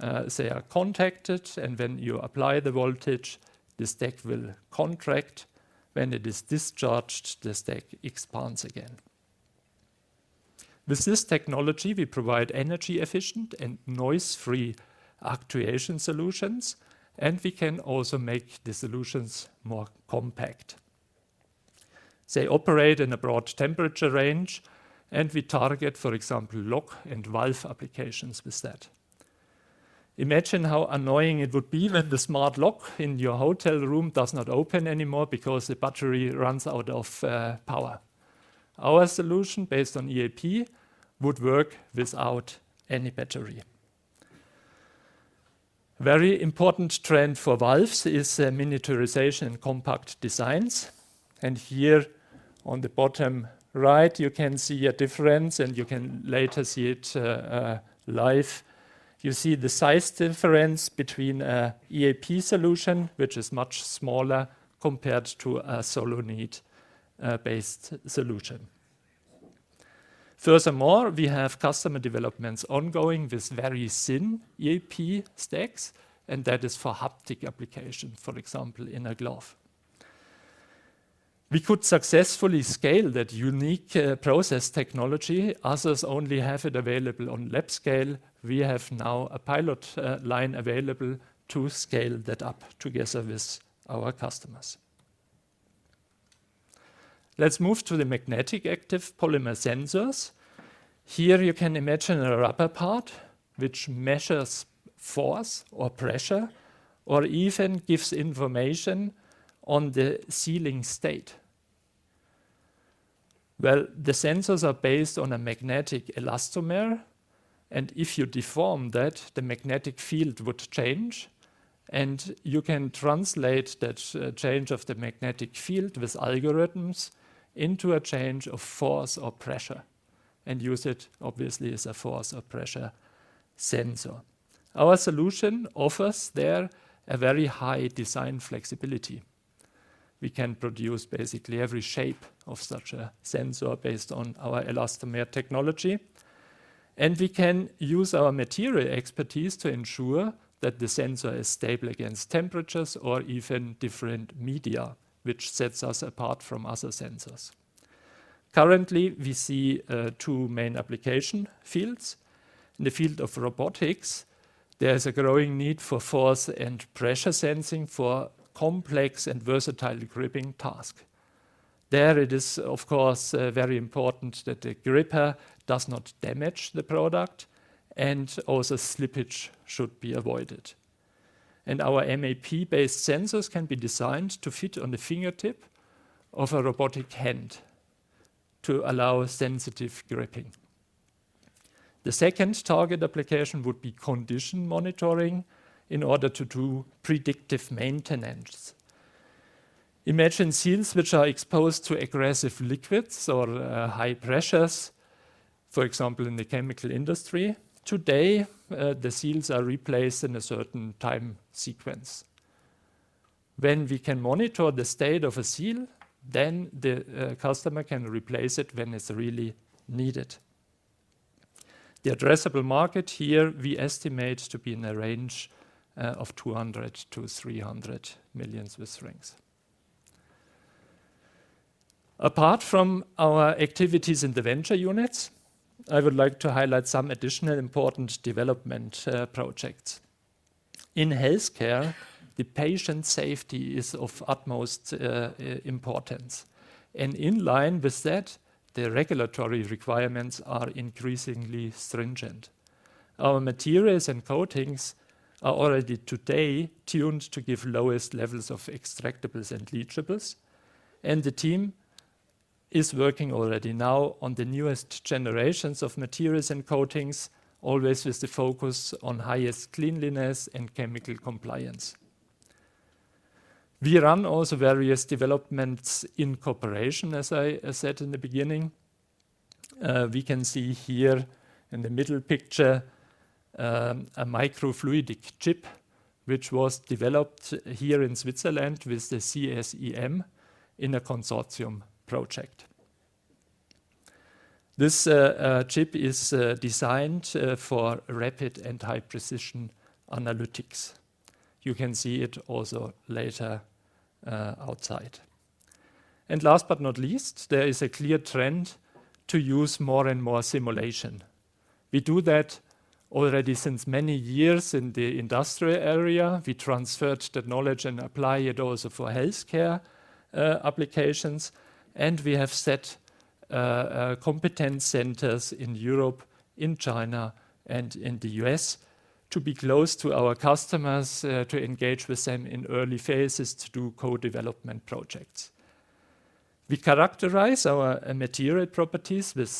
They are contacted, and when you apply the voltage, the stack will contract. When it is discharged, the stack expands again. With this technology, we provide energy-efficient and noise-free actuation solutions, and we can also make the solutions more compact. They operate in a broad temperature range, and we target, for example, lock and valve applications with that. Imagine how annoying it would be when the smart lock in your hotel room does not open anymore because the battery runs out of power. Our solution based on EAP would work without any battery. A very important trend for valves is miniaturization and compact designs. Here, on the bottom right, you can see a difference, and you can later see it live. You see the size difference between an EAP solution, which is much smaller compared to a solenoid-based solution. Furthermore, we have customer developments ongoing with very thin EAP stacks, and that is for haptic applications, for example, in a glove. We could successfully scale that unique process technology. Others only have it available on lab scale. We have now a pilot line available to scale that up together with our customers. Let's move to the magnetic active polymer sensors. Here, you can imagine a rubber part which measures force or pressure or even gives information on the sealing state. The sensors are based on a magnetic elastomer, and if you deform that, the magnetic field would change, and you can translate that change of the magnetic field with algorithms into a change of force or pressure and use it, obviously, as a force or pressure sensor. Our solution offers there a very high design flexibility. We can produce basically every shape of such a sensor based on our elastomer technology, and we can use our material expertise to ensure that the sensor is stable against temperatures or even different media, which sets us apart from other sensors. Currently, we see two main application fields. In the field of robotics, there is a growing need for force and pressure sensing for complex and versatile gripping tasks. There, it is, of course, very important that the gripper does not damage the product, and also slippage should be avoided. Our MAP-based sensors can be designed to fit on the fingertip of a robotic hand to allow sensitive gripping. The second target application would be condition monitoring in order to do predictive maintenance. Imagine seals which are exposed to aggressive liquids or high pressures, for example, in the chemical industry. Today, the seals are replaced in a certain time sequence. When we can monitor the state of a seal, then the customer can replace it when it's really needed. The addressable market here, we estimate to be in the range of 200 million-300 million Swiss francs. Apart from our activities in the venture units, I would like to highlight some additional important development projects. In healthcare, the patient safety is of utmost importance. In line with that, the regulatory requirements are increasingly stringent. Our materials and coatings are already today tuned to give lowest levels of extractables and leachables, and the team is working already now on the newest generations of materials and coatings, always with the focus on highest cleanliness and chemical compliance. We run also various developments in cooperation, as I said in the beginning. We can see here in the middle picture a microfluidic chip, which was developed here in Switzerland with the CSEM in a consortium project. This chip is designed for rapid and high-precision analytics. You can see it also later outside. Last but not least, there is a clear trend to use more and more simulation. We do that already since many years in the industrial area. We transferred the knowledge and apply it also for healthcare applications, and we have set competence centers in Europe, in China, and in the U.S. to be close to our customers, to engage with them in early phases to do co-development projects. We characterize our material properties with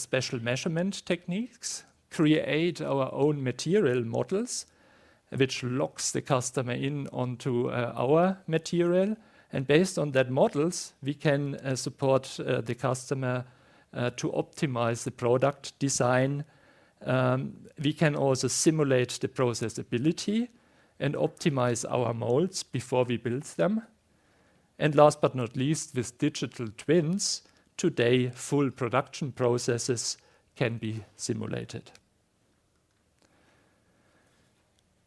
special measurement techniques, create our own material models, which locks the customer in onto our material, and based on that models, we can support the customer to optimize the product design. We can also simulate the processability and optimize our molds before we build them. Last but not least, with digital twins, today, full production processes can be simulated.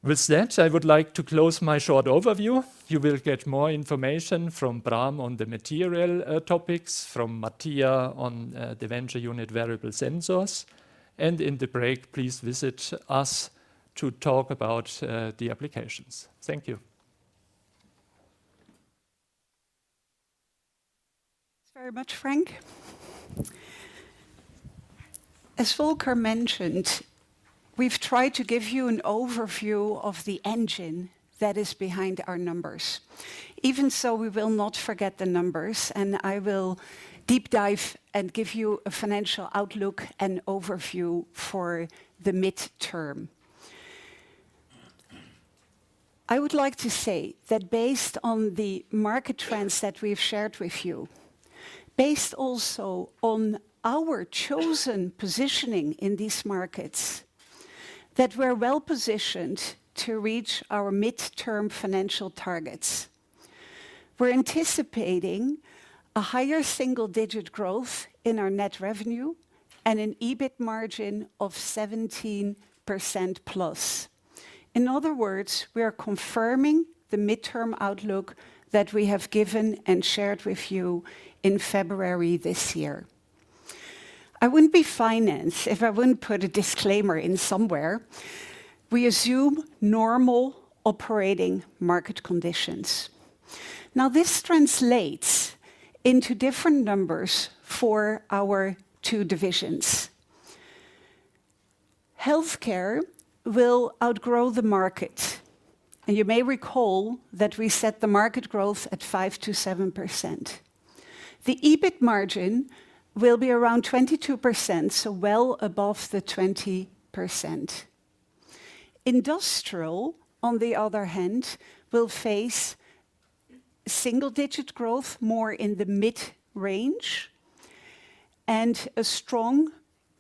With that, I would like to close my short overview. You will get more information from Bram on the material topics, from Matthias on the venture unit variable sensors, and in the break, please visit us to talk about the applications. Thank you. Thanks very much, Frank. As Volker mentioned, we've tried to give you an overview of the engine that is behind our numbers. Even so, we will not forget the numbers, and I will deep dive and give you a financial outlook and overview for the midterm. I would like to say that based on the market trends that we've shared with you, based also on our chosen positioning in these markets, that we're well positioned to reach our midterm financial targets. We're anticipating a higher single-digit growth in our net revenue and an EBIT margin of 17%+. In other words, we are confirming the midterm outlook that we have given and shared with you in February this year. I wouldn't be financed if I wouldn't put a disclaimer in somewhere. We assume normal operating market conditions. Now, this translates into different numbers for our two divisions. Healthcare will outgrow the market, and you may recall that we set the market growth at 5%-7%. The EBIT margin will be around 22%, so well above the 20%. Industrial, on the other hand, will face single-digit growth more in the mid-range and a strong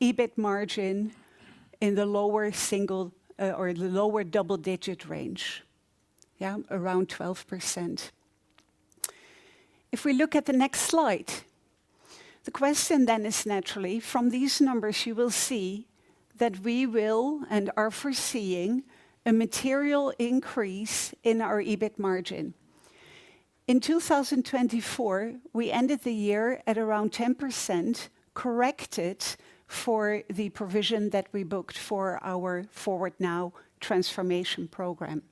EBIT margin in the lower single or the lower double-digit range, around 12%. If we look at the next slide, the question then is naturally, from these numbers, you will see that we will and are foreseeing a material increase in our EBIT margin. In 2024, we ended the year at around 10%, corrected for the provision that we booked for our Forward Now transformation program.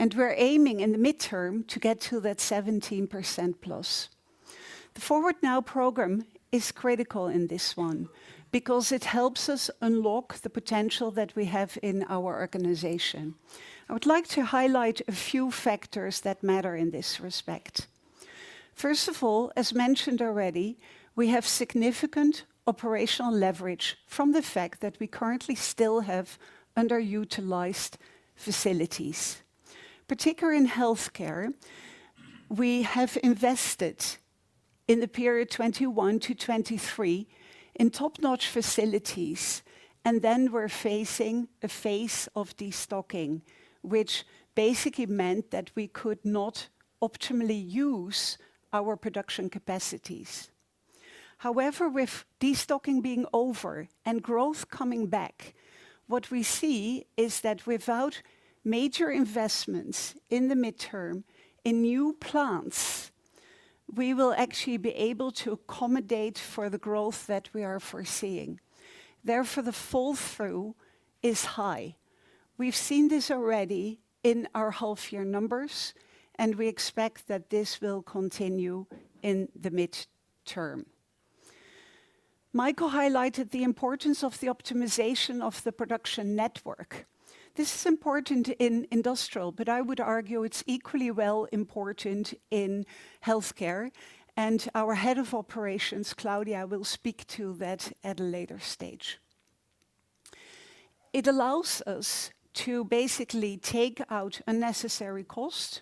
We are aiming in the midterm to get to that 17%+. The Forward Now program is critical in this one because it helps us unlock the potential that we have in our organization. I would like to highlight a few factors that matter in this respect. First of all, as mentioned already, we have significant operational leverage from the fact that we currently still have underutilized facilities. Particularly in healthcare, we have invested in the period 2021 to 2023 in top-notch facilities, and then we were facing a phase of destocking, which basically meant that we could not optimally use our production capacities. However, with destocking being over and growth coming back, what we see is that without major investments in the midterm in new plants, we will actually be able to accommodate for the growth that we are foreseeing. Therefore, the fall-through is high. We have seen this already in our whole-year numbers, and we expect that this will continue in the midterm. Michael highlighted the importance of the optimization of the production network. This is important in industrial, but I would argue it's equally well important in healthcare. Our Head of Operations, Claudia, will speak to that at a later stage. It allows us to basically take out unnecessary costs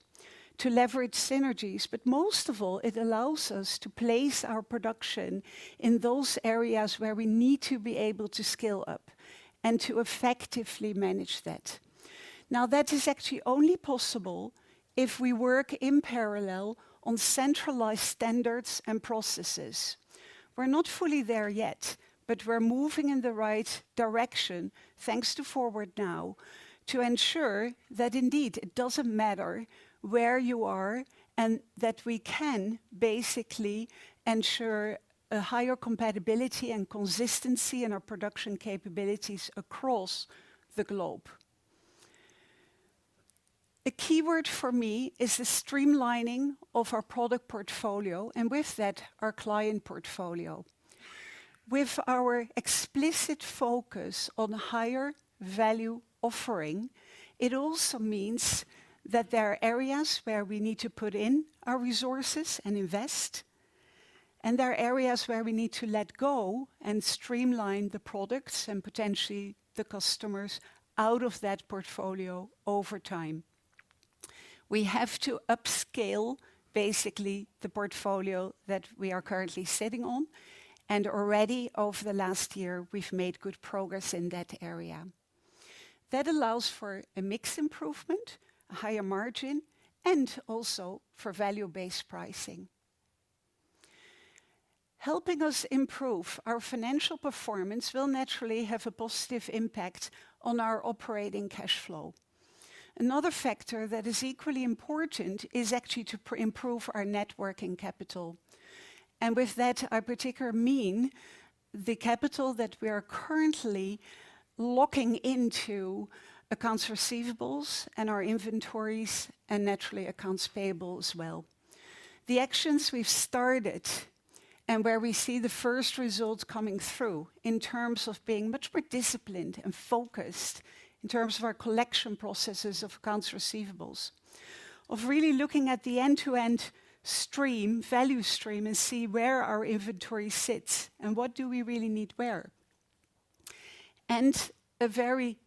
to leverage synergies, but most of all, it allows us to place our production in those areas where we need to be able to scale up and to effectively manage that. That is actually only possible if we work in parallel on centralized standards and processes. We're not fully there yet, but we're moving in the right direction, thanks to Forward Now, to ensure that indeed it doesn't matter where you are and that we can basically ensure a higher compatibility and consistency in our production capabilities across the globe. A keyword for me is the streamlining of our product portfolio and with that, our client portfolio. With our explicit focus on higher value offering, it also means that there are areas where we need to put in our resources and invest, and there are areas where we need to let go and streamline the products and potentially the customers out of that portfolio over time. We have to upscale basically the portfolio that we are currently sitting on, and already over the last year, we've made good progress in that area. That allows for a mixed improvement, a higher margin, and also for value-based pricing. Helping us improve our financial performance will naturally have a positive impact on our operating cash flow. Another factor that is equally important is actually to improve our working capital. With that, I particularly mean the capital that we are currently locking into accounts receivables and our inventories and naturally accounts payable as well. The actions we've started and where we see the first results coming through in terms of being much more disciplined and focused in terms of our collection processes of accounts receivables, of really looking at the end-to-end stream, value stream, and see where our inventory sits and what do we really need where. A very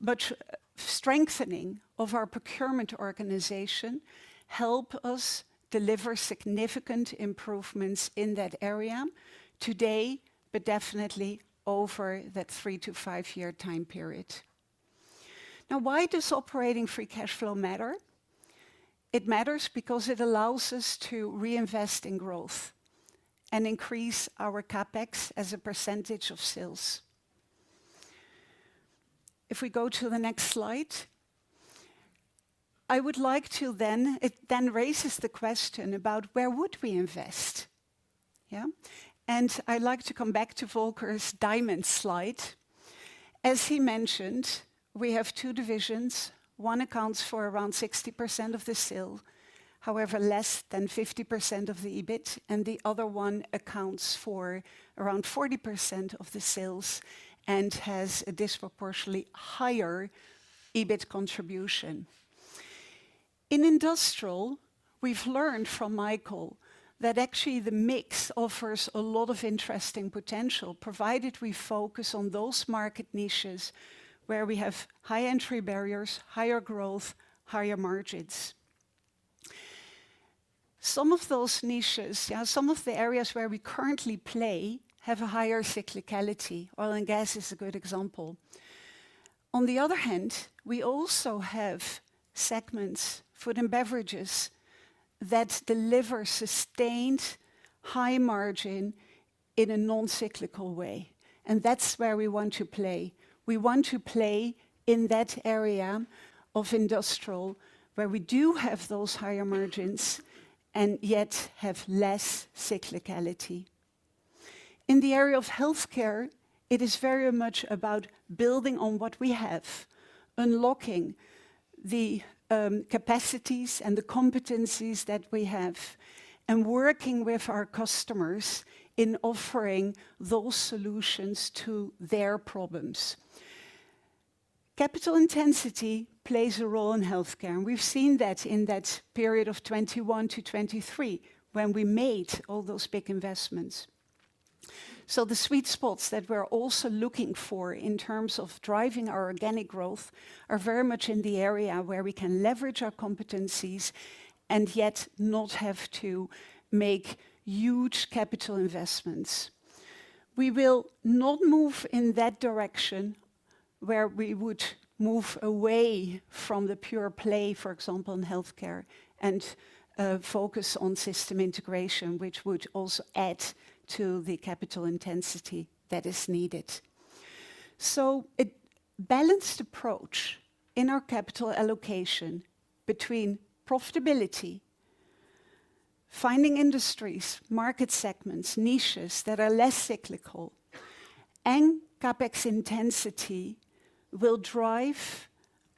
much strengthening of our procurement organization helps us deliver significant improvements in that area today, but definitely over that three- to five-year time period. Now, why does operating free cash flow matter? It matters because it allows us to reinvest in growth and increase our CapEx as a percentage of sales. If we go to the next slide, I would like to then it then raises the question about where would we invest? Yeah, and I'd like to come back to Volker's diamond slide. As he mentioned, we have two divisions. One accounts for around 60% of the sales, however, less than 50% of the EBIT, and the other one accounts for around 40% of the sales and has a disproportionately higher EBIT contribution. In industrial, we've learned from Michael that actually the mix offers a lot of interesting potential, provided we focus on those market niches where we have high entry barriers, higher growth, higher margins. Some of those niches, some of the areas where we currently play have a higher cyclicality. Oil and gas is a good example. On the other hand, we also have segments, food and beverage, that deliver sustained high margin in a non-cyclical way. That is where we want to play. We want to play in that area of industrial where we do have those higher margins and yet have less cyclicality. In the area of healthcare, it is very much about building on what we have, unlocking the capacities and the competencies that we have, and working with our customers in offering those solutions to their problems. Capital intensity plays a role in healthcare, and we've seen that in that period of 2021 to 2023 when we made all those big investments. The sweet spots that we're also looking for in terms of driving our organic growth are very much in the area where we can leverage our competencies and yet not have to make huge capital investments. We will not move in that direction where we would move away from the pure play, for example, in healthcare and focus on system integration, which would also add to the capital intensity that is needed. A balanced approach in our capital allocation between profitability, finding industries, market segments, niches that are less cyclical, and CapEx intensity will drive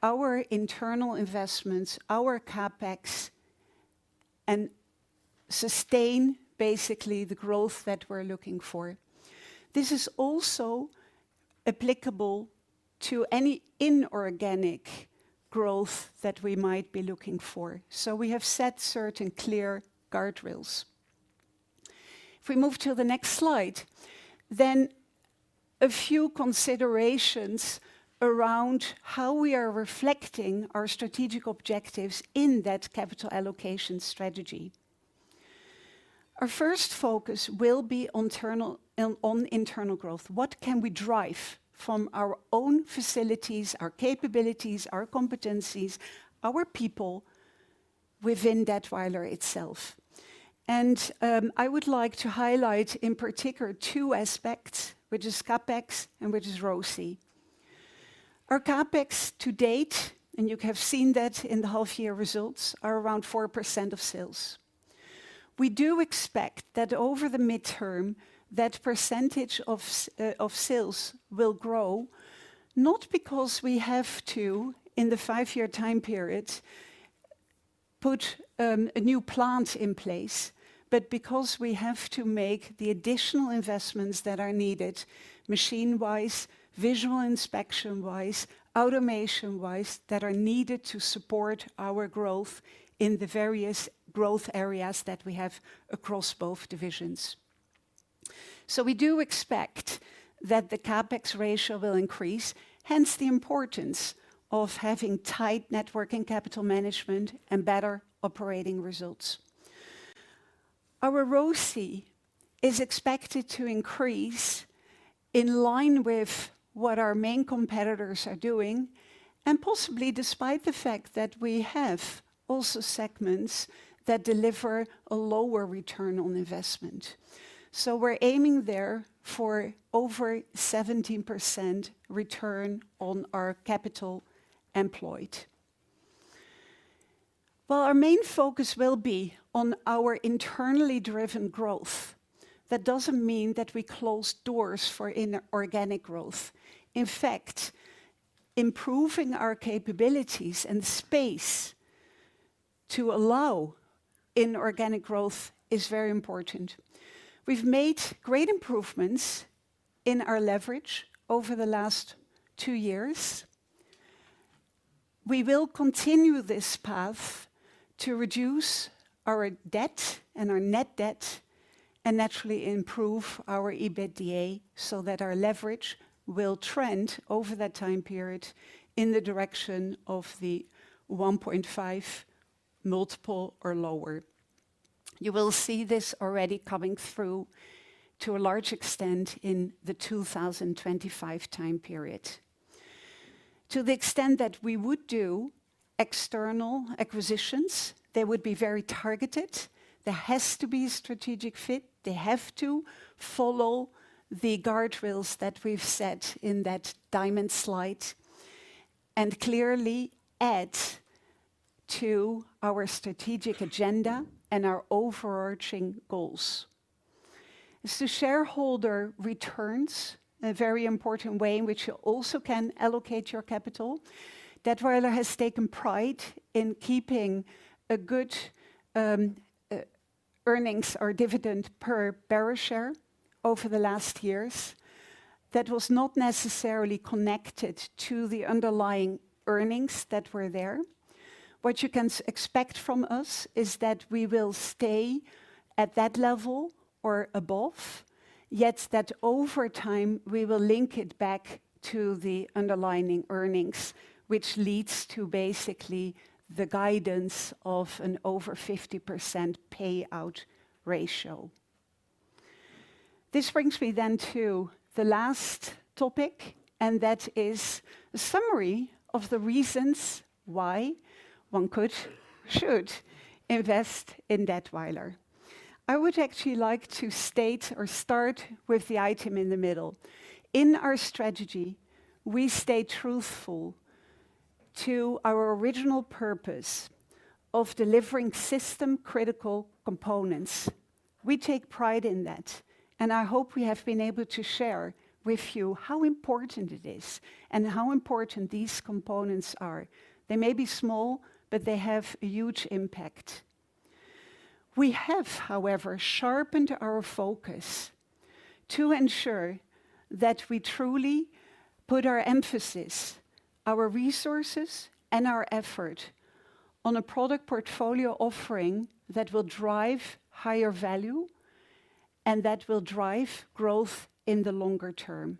our internal investments, our CapEx, and sustain basically the growth that we're looking for. This is also applicable to any inorganic growth that we might be looking for. We have set certain clear guardrails. If we move to the next slide, a few considerations around how we are reflecting our strategic objectives in that capital allocation strategy. Our first focus will be on internal growth. What can we drive from our own facilities, our capabilities, our competencies, our people within Datwyler itself? I would like to highlight in particular two aspects, which is CapEx and which is ROSI. Our CapEx to date, and you have seen that in the half-year results, are around 4% of sales. We do expect that over the midterm, that percentage of sales will grow, not because we have to, in the five-year time period, put a new plant in place, but because we have to make the additional investments that are needed machine-wise, visual inspection-wise, automation-wise that are needed to support our growth in the various growth areas that we have across both divisions. We do expect that the CapEx ratio will increase, hence the importance of having tight networking capital management and better operating results. Our ROSI is expected to increase in line with what our main competitors are doing, and possibly despite the fact that we have also segments that deliver a lower return on investment. We're aiming there for over 17% return on our capital employed. While our main focus will be on our internally driven growth, that does not mean that we close doors for inorganic growth. In fact, improving our capabilities and space to allow inorganic growth is very important. We have made great improvements in our leverage over the last two years. We will continue this path to reduce our debt and our net debt and naturally improve our EBITDA so that our leverage will trend over that time period in the direction of the 1.5 multiple or lower. You will see this already coming through to a large extent in the 2025 time period. To the extent that we would do external acquisitions, they would be very targeted. There has to be a strategic fit. They have to follow the guardrails that we have set in that diamond slide and clearly add to our strategic agenda and our overarching goals. As to shareholder returns, a very important way in which you also can allocate your capital, Datwyler has taken pride in keeping a good earnings or dividend per bearer share over the last years that was not necessarily connected to the underlying earnings that were there. What you can expect from us is that we will stay at that level or above, yet that over time we will link it back to the underlying earnings, which leads to basically the guidance of an over 50% payout ratio. This brings me then to the last topic, and that is a summary of the reasons why one could, should invest in Datwyler. I would actually like to state or start with the item in the middle. In our strategy, we stay truthful to our original purpose of delivering system-critical components. We take pride in that, and I hope we have been able to share with you how important it is and how important these components are. They may be small, but they have a huge impact. We have, however, sharpened our focus to ensure that we truly put our emphasis, our resources, and our effort on a product portfolio offering that will drive higher value and that will drive growth in the longer term.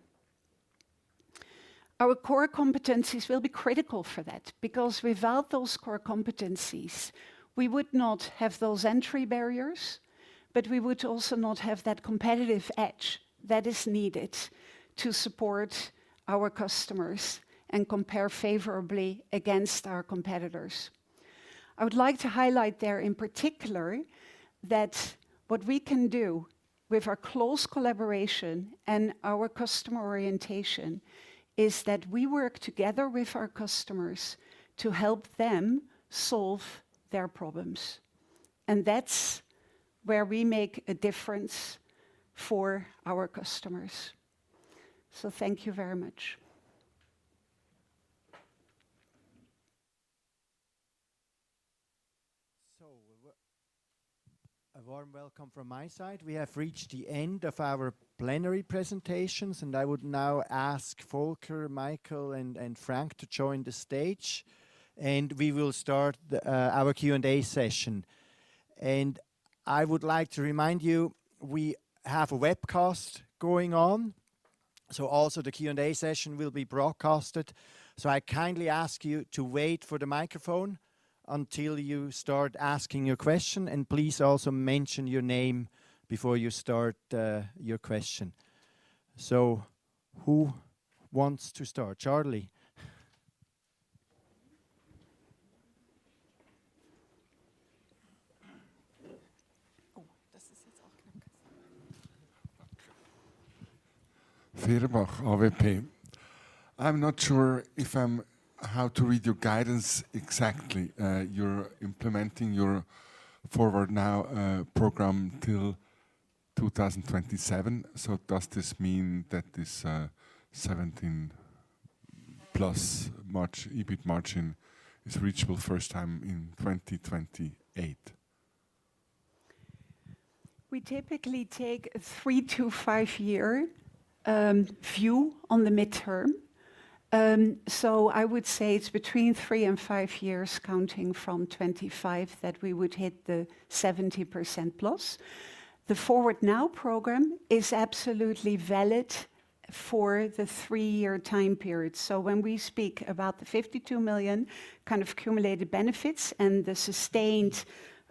Our core competencies will be critical for that because without those core competencies, we would not have those entry barriers, but we would also not have that competitive edge that is needed to support our customers and compare favorably against our competitors. I would like to highlight there in particular that what we can do with our close collaboration and our customer orientation is that we work together with our customers to help them solve their problems. That is where we make a difference for our customers. Thank you very much. A warm welcome from my side. We have reached the end of our plenary presentations, and I would now ask Volker, Michael, and Frank to join the stage, and we will start our Q&A session. I would like to remind you we have a webcast going on, so also the Q&A session will be broadcasted. I kindly ask you to wait for the microphone until you start asking your question, and please also mention your name before you start your question. Who wants to start? Charlie. Oh, das ist jetzt auch knapp gesagt. Firbach, AWP. I'm not sure how to read your guidance exactly. You're implementing your Forward Now program until 2027. Does this mean that this 17%+ EBIT margin is reachable first time in 2028? We typically take a three to five-year view on the midterm. I would say it's between three and five years counting from 2025 that we would hit the 17%+. The «ForwardNow» program is absolutely valid for the three-year time period. When we speak about the 52 million kind of cumulated benefits and the sustained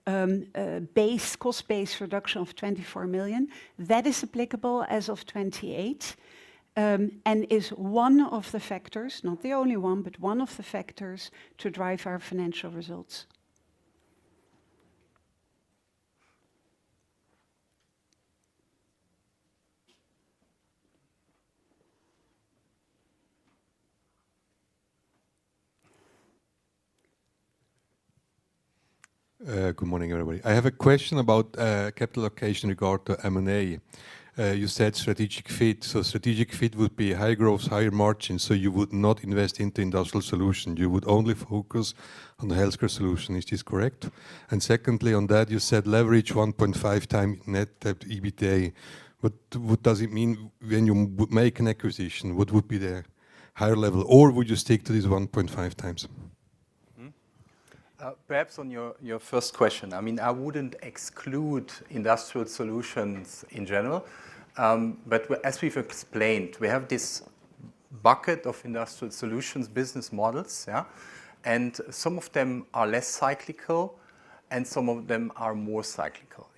cost-based reduction of 24 million, that is applicable as of 2028 and is one of the factors, not the only one, but one of the factors to drive our financial results. Good morning, everybody. I have a question about capital allocation in regard to M&A. You said strategic fit. Strategic fit would be higher growth, higher margin, so you would not invest into industrial solutions. You would only focus on the healthcare solution. Is this correct? Secondly, on that, you said leverage 1.5 times net EBITDA. What does it mean when you make an acquisition? What would be the higher level, or would you stick to these 1.5x? Perhaps on your first question, I mean, I would not exclude industrial solutions in general, but as we have explained, we have this bucket of industrial solutions business models, and some of them are less cyclical and some of them are more cyclical.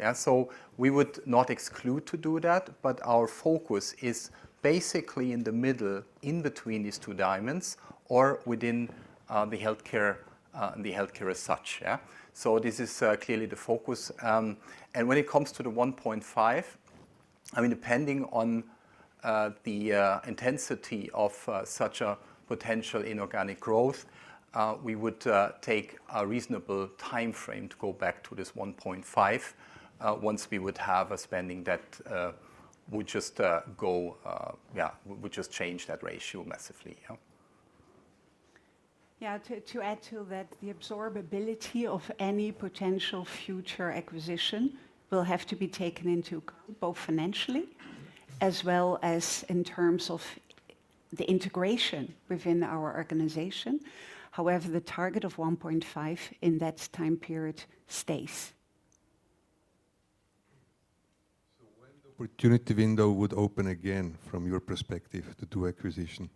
We would not exclude to do that, but our focus is basically in the middle, in between these two diamonds or within the healthcare as such. This is clearly the focus. When it comes to the 1.5, I mean, depending on the intensity of such a potential inorganic growth, we would take a reasonable time frame to go back to this 1.5 once we would have a spending that would just go, yeah, would just change that ratio massively. Yeah, to add to that, the absorbability of any potential future acquisition will have to be taken into account both financially as well as in terms of the integration within our organization. However, the target of 1.5 in that time period stays. When the opportunity window would open again from your perspective to do acquisition?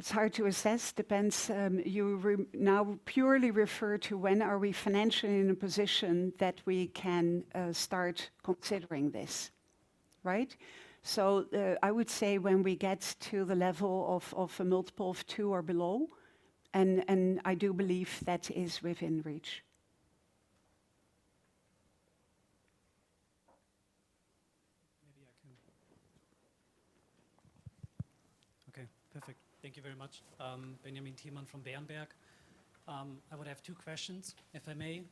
It's hard to assess. Depends. You now purely refer to when are we financially in a position that we can start considering this, right? I would say when we get to the level of a multiple of two or below, and I do believe that is within reach. Maybe I can. Okay, perfect. Thank you very much. Benjamin Thielmann from Berenberg. I would have two questions, if I may.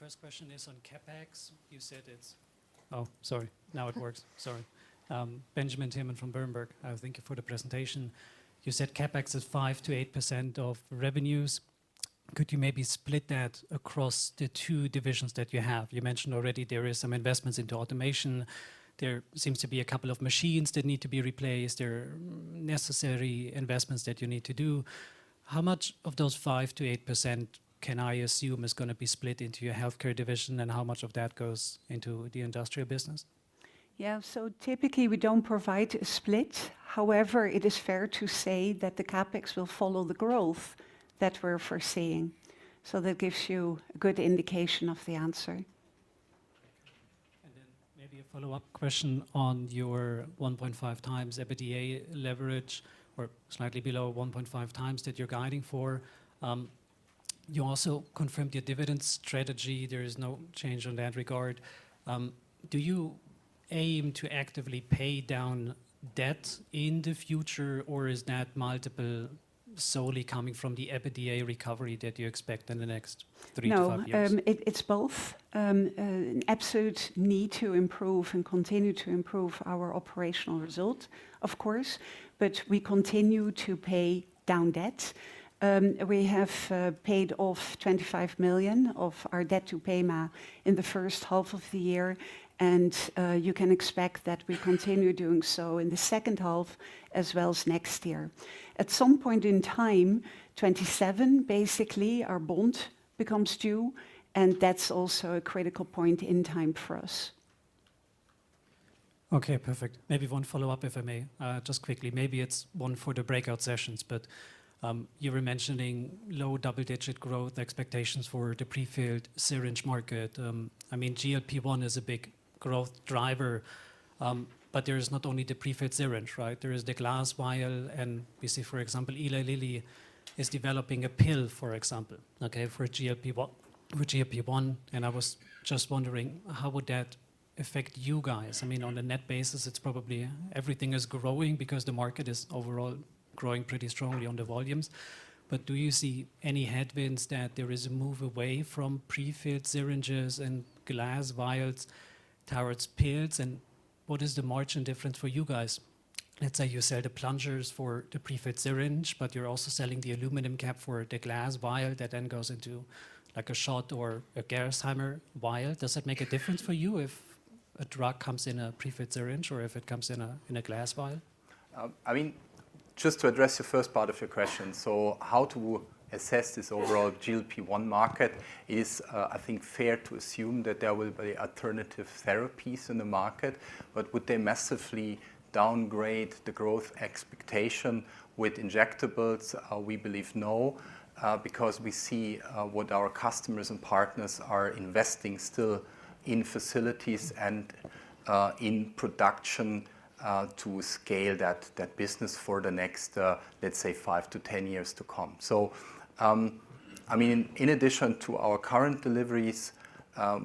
First question is on CapEx. You said it's. Oh, sorry. Now it works. Sorry. Benjamin Thielmann from Berenberg. Thank you for the presentation. You said CapEx is 5%-8% of revenues. Could you maybe split that across the two divisions that you have? You mentioned already there are some investments into automation. There seems to be a couple of machines that need to be replaced. There are necessary investments that you need to do. How much of those 5%-8% can I assume is going to be split into your healthcare division and how much of that goes into the industrial business? Yeah, so typically we do not provide a split. However, it is fair to say that the CapEx will follow the growth that we are foreseeing. That gives you a good indication of the answer. Maybe a follow-up question on your 1.5x EBITDA leverage or slightly below 1.5x that you are guiding for. You also confirmed your dividend strategy. There is no change on that regard. Do you aim to actively pay down debt in the future, or is that multiple solely coming from the EBITDA recovery that you expect in the next three to five years? No, it is both. Absolute need to improve and continue to improve our operational result, of course, but we continue to pay down debt. We have paid off 25 million of our debt to PEMA in the first half of the year, and you can expect that we continue doing so in the second half as well as next year. At some point in time, basically our bond becomes due, and that's also a critical point in time for us. Okay, perfect. Maybe one follow-up, if I may, just quickly. Maybe it's one for the breakout sessions, but you were mentioning low double-digit growth expectations for the prefilled syringe market. I mean, GLP-1 is a big growth driver, but there is not only the prefilled syringe, right? There is the glass vial, and we see, for example, Eli Lilly is developing a pill, for example, okay, for GLP-1. I was just wondering how would that affect you guys? I mean, on a net basis, it's probably everything is growing because the market is overall growing pretty strongly on the volumes. Do you see any headwinds that there is a move away from prefilled syringes and glass vials, tarots, pills, and what is the margin difference for you guys? Let's say you sell the plungers for the prefilled syringe, but you're also selling the aluminum cap for the glass vial that then goes into like a shot or a Gerresheimer Vial. Does that make a difference for you if a drug comes in a prefilled syringe or if it comes in a glass vial? I mean, just to address the first part of your question, how to assess this overall GLP-1 market is, I think, fair to assume that there will be alternative therapies in the market, but would they massively downgrade the growth expectation with injectables? We believe no because we see what our customers and partners are investing still in facilities and in production to scale that business for the next, let's say, 5-10 years to come. I mean, in addition to our current deliveries,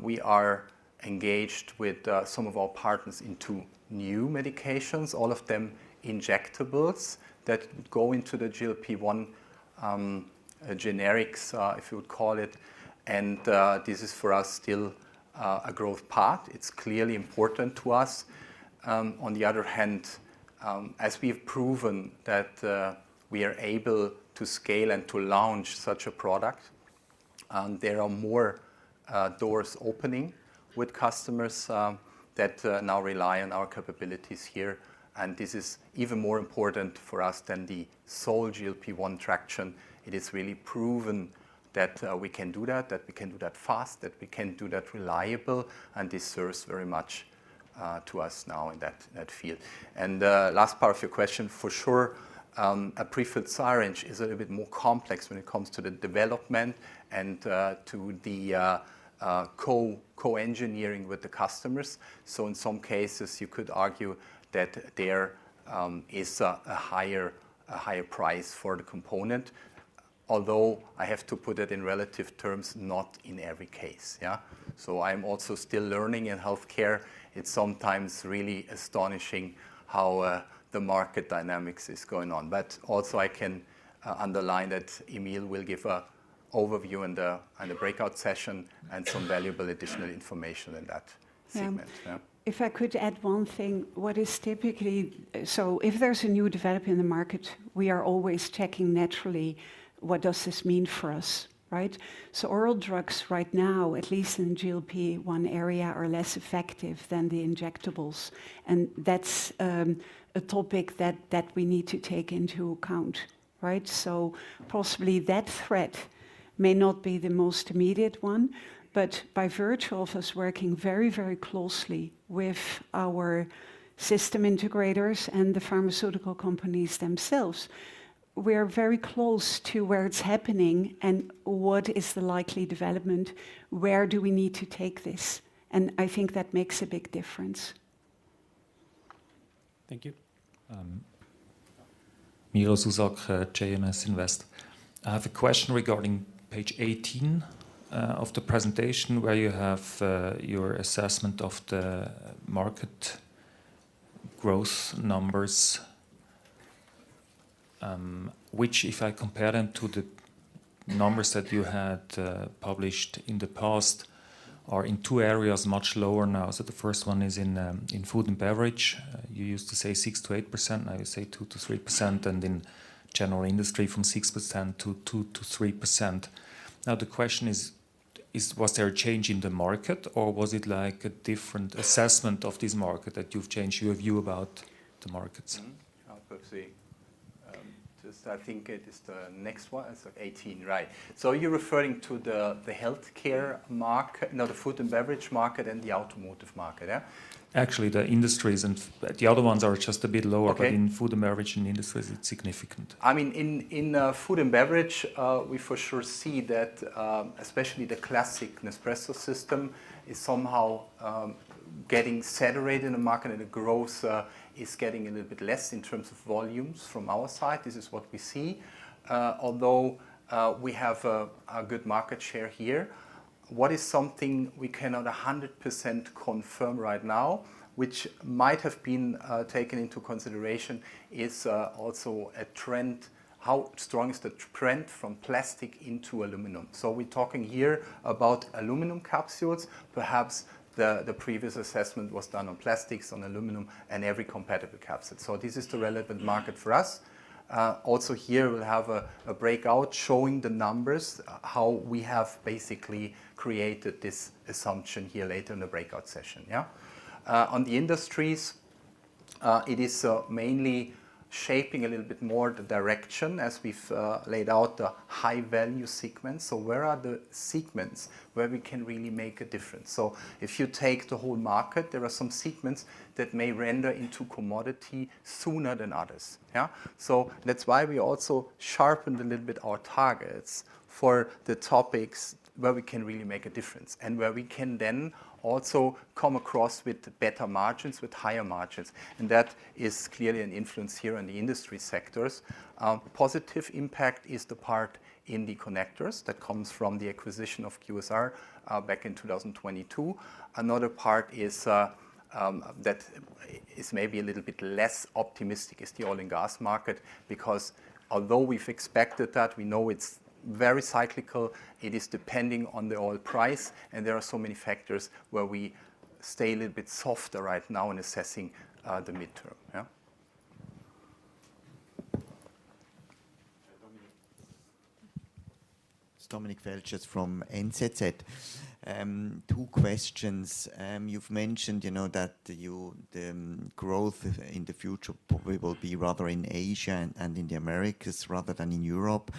we are engaged with some of our partners into new medications, all of them injectables that would go into the GLP-1 generics, if you would call it. This is for us still a growth path. It's clearly important to us. On the other hand, as we've proven that we are able to scale and to launch such a product, there are more doors opening with customers that now rely on our capabilities here. This is even more important for us than the sole GLP-1 traction. It is really proven that we can do that, that we can do that fast, that we can do that reliable, and this serves very much to us now in that field. The last part of your question, for sure, a pre-filled syringe is a little bit more complex when it comes to the development and to the co-engineering with the customers. In some cases, you could argue that there is a higher price for the component, although I have to put it in relative terms, not in every case. I am also still learning in healthcare. It is sometimes really astonishing how the market dynamics is going on. I can underline that Emil will give an overview in the breakout session and some valuable additional information in that segment. If I could add one thing, what is typically, if there's a new development in the market, we are always checking naturally what does this mean for us, right? Oral drugs right now, at least in the GLP-1 area, are less effective than the injectables. That's a topic that we need to take into account, right? Possibly that threat may not be the most immediate one, but by virtue of us working very, very closely with our system integrators and the pharmaceutical companies themselves, we are very close to where it's happening and what is the likely development, where do we need to take this. I think that makes a big difference. Thank you. Miro Zuzak, JMS Invest. I have a question regarding page 18 of the presentation where you have your assessment of the market growth numbers, which, if I compare them to the numbers that you had published in the past, are in two areas much lower now. The first one is in food and beverage. You used to say 6%-8%, now you say 2%-3%, and in general industry from 6% to 2%-3%. The question is, was there a change in the market or was it like a different assessment of this market that you've changed your view about the markets? I'll proceed. I think it is the next one. It's 18, right? You're referring to the healthcare market, no, the food and beverage market and the automotive market, yeah? Actually, the industries and the other ones are just a bit lower, but in food and beverage and industries, it's significant. I mean, in food and beverage, we for sure see that especially the classic Nespresso system is somehow getting saturated in the market and the growth is getting a little bit less in terms of volumes from our side. This is what we see. Although we have a good market share here, what is something we cannot 100% confirm right now, which might have been taken into consideration, is also a trend. How strong is the trend from plastic into aluminum? We are talking here about aluminum capsules. Perhaps the previous assessment was done on plastics, on aluminum, and every compatible capsule. This is the relevant market for us. Also here, we'll have a breakout showing the numbers, how we have basically created this assumption here later in the breakout session. On the industries, it is mainly shaping a little bit more the direction as we've laid out the high-value sequence. Where are the segments where we can really make a difference? If you take the whole market, there are some segments that may render into commodity sooner than others. That is why we also sharpened a little bit our targets for the topics where we can really make a difference and where we can then also come across with better margins, with higher margins. That is clearly an influence here on the industry sectors. Positive impact is the part in the connectors that comes from the acquisition of QSR back in 2022. Another part is that is maybe a little bit less optimistic is the oil and gas market because although we've expected that, we know it's very cyclical, it is depending on the oil price, and there are so many factors where we stay a little bit softer right now in assessing the midterm. Dominik Feldges from NZZ. Two questions. You've mentioned that the growth in the future will be rather in Asia and in the Americas rather than in Europe.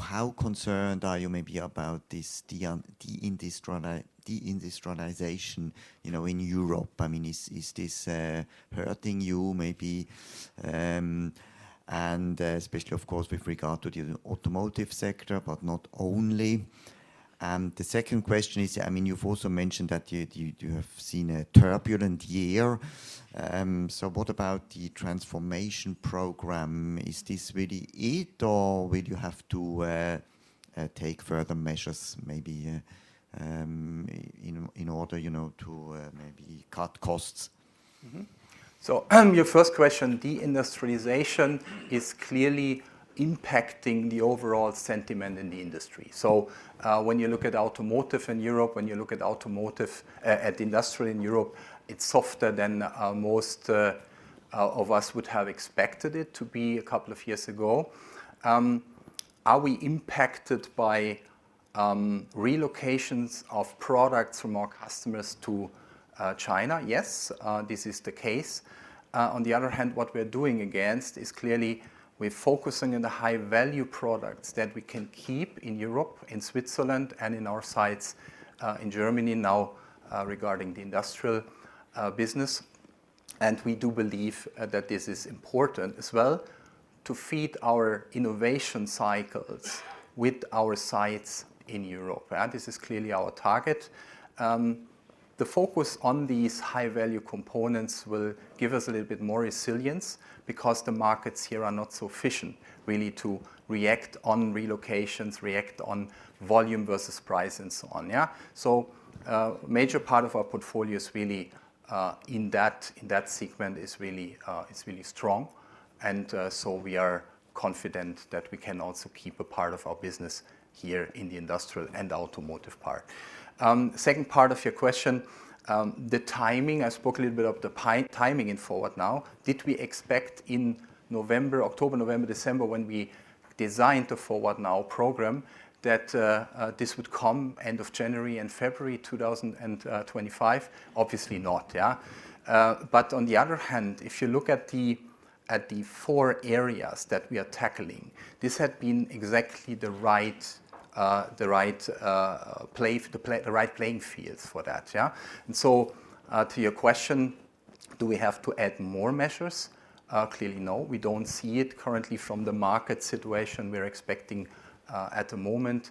How concerned are you maybe about this de-industrialization in Europe? I mean, is this hurting you maybe? Especially, of course, with regard to the automotive sector, but not only. The second question is, I mean, you've also mentioned that you have seen a turbulent year. What about the transformation program? Is this really it or will you have to take further measures maybe in order to maybe cut costs? Your first question, de-industrialization is clearly impacting the overall sentiment in the industry. When you look at automotive in Europe, when you look at automotive at the industrial in Europe, it's softer than most of us would have expected it to be a couple of years ago. Are we impacted by relocations of products from our customers to China? Yes, this is the case. On the other hand, what we're doing against is clearly we're focusing on the high-value products that we can keep in Europe, in Switzerland, and in our sites in Germany. Now regarding the industrial business, we do believe that this is important as well to feed our innovation cycles with our sites in Europe. This is clearly our target. The focus on these high-value components will give us a little bit more resilience because the markets here are not so efficient. We need to react on relocations, react on volume versus price and so on. A major part of our portfolio is really in that segment, is really strong. We are confident that we can also keep a part of our business here in the industrial and automotive part. Second part of your question, the timing, I spoke a little bit of the timing in «ForwardNow». Did we expect in November, October, November, December when we designed the Forward Now program that this would come end of January and February 2025? Obviously not. On the other hand, if you look at the four areas that we are tackling, this had been exactly the right playing field for that. To your question, do we have to add more measures? Clearly no. We do not see it currently from the market situation we are expecting at the moment.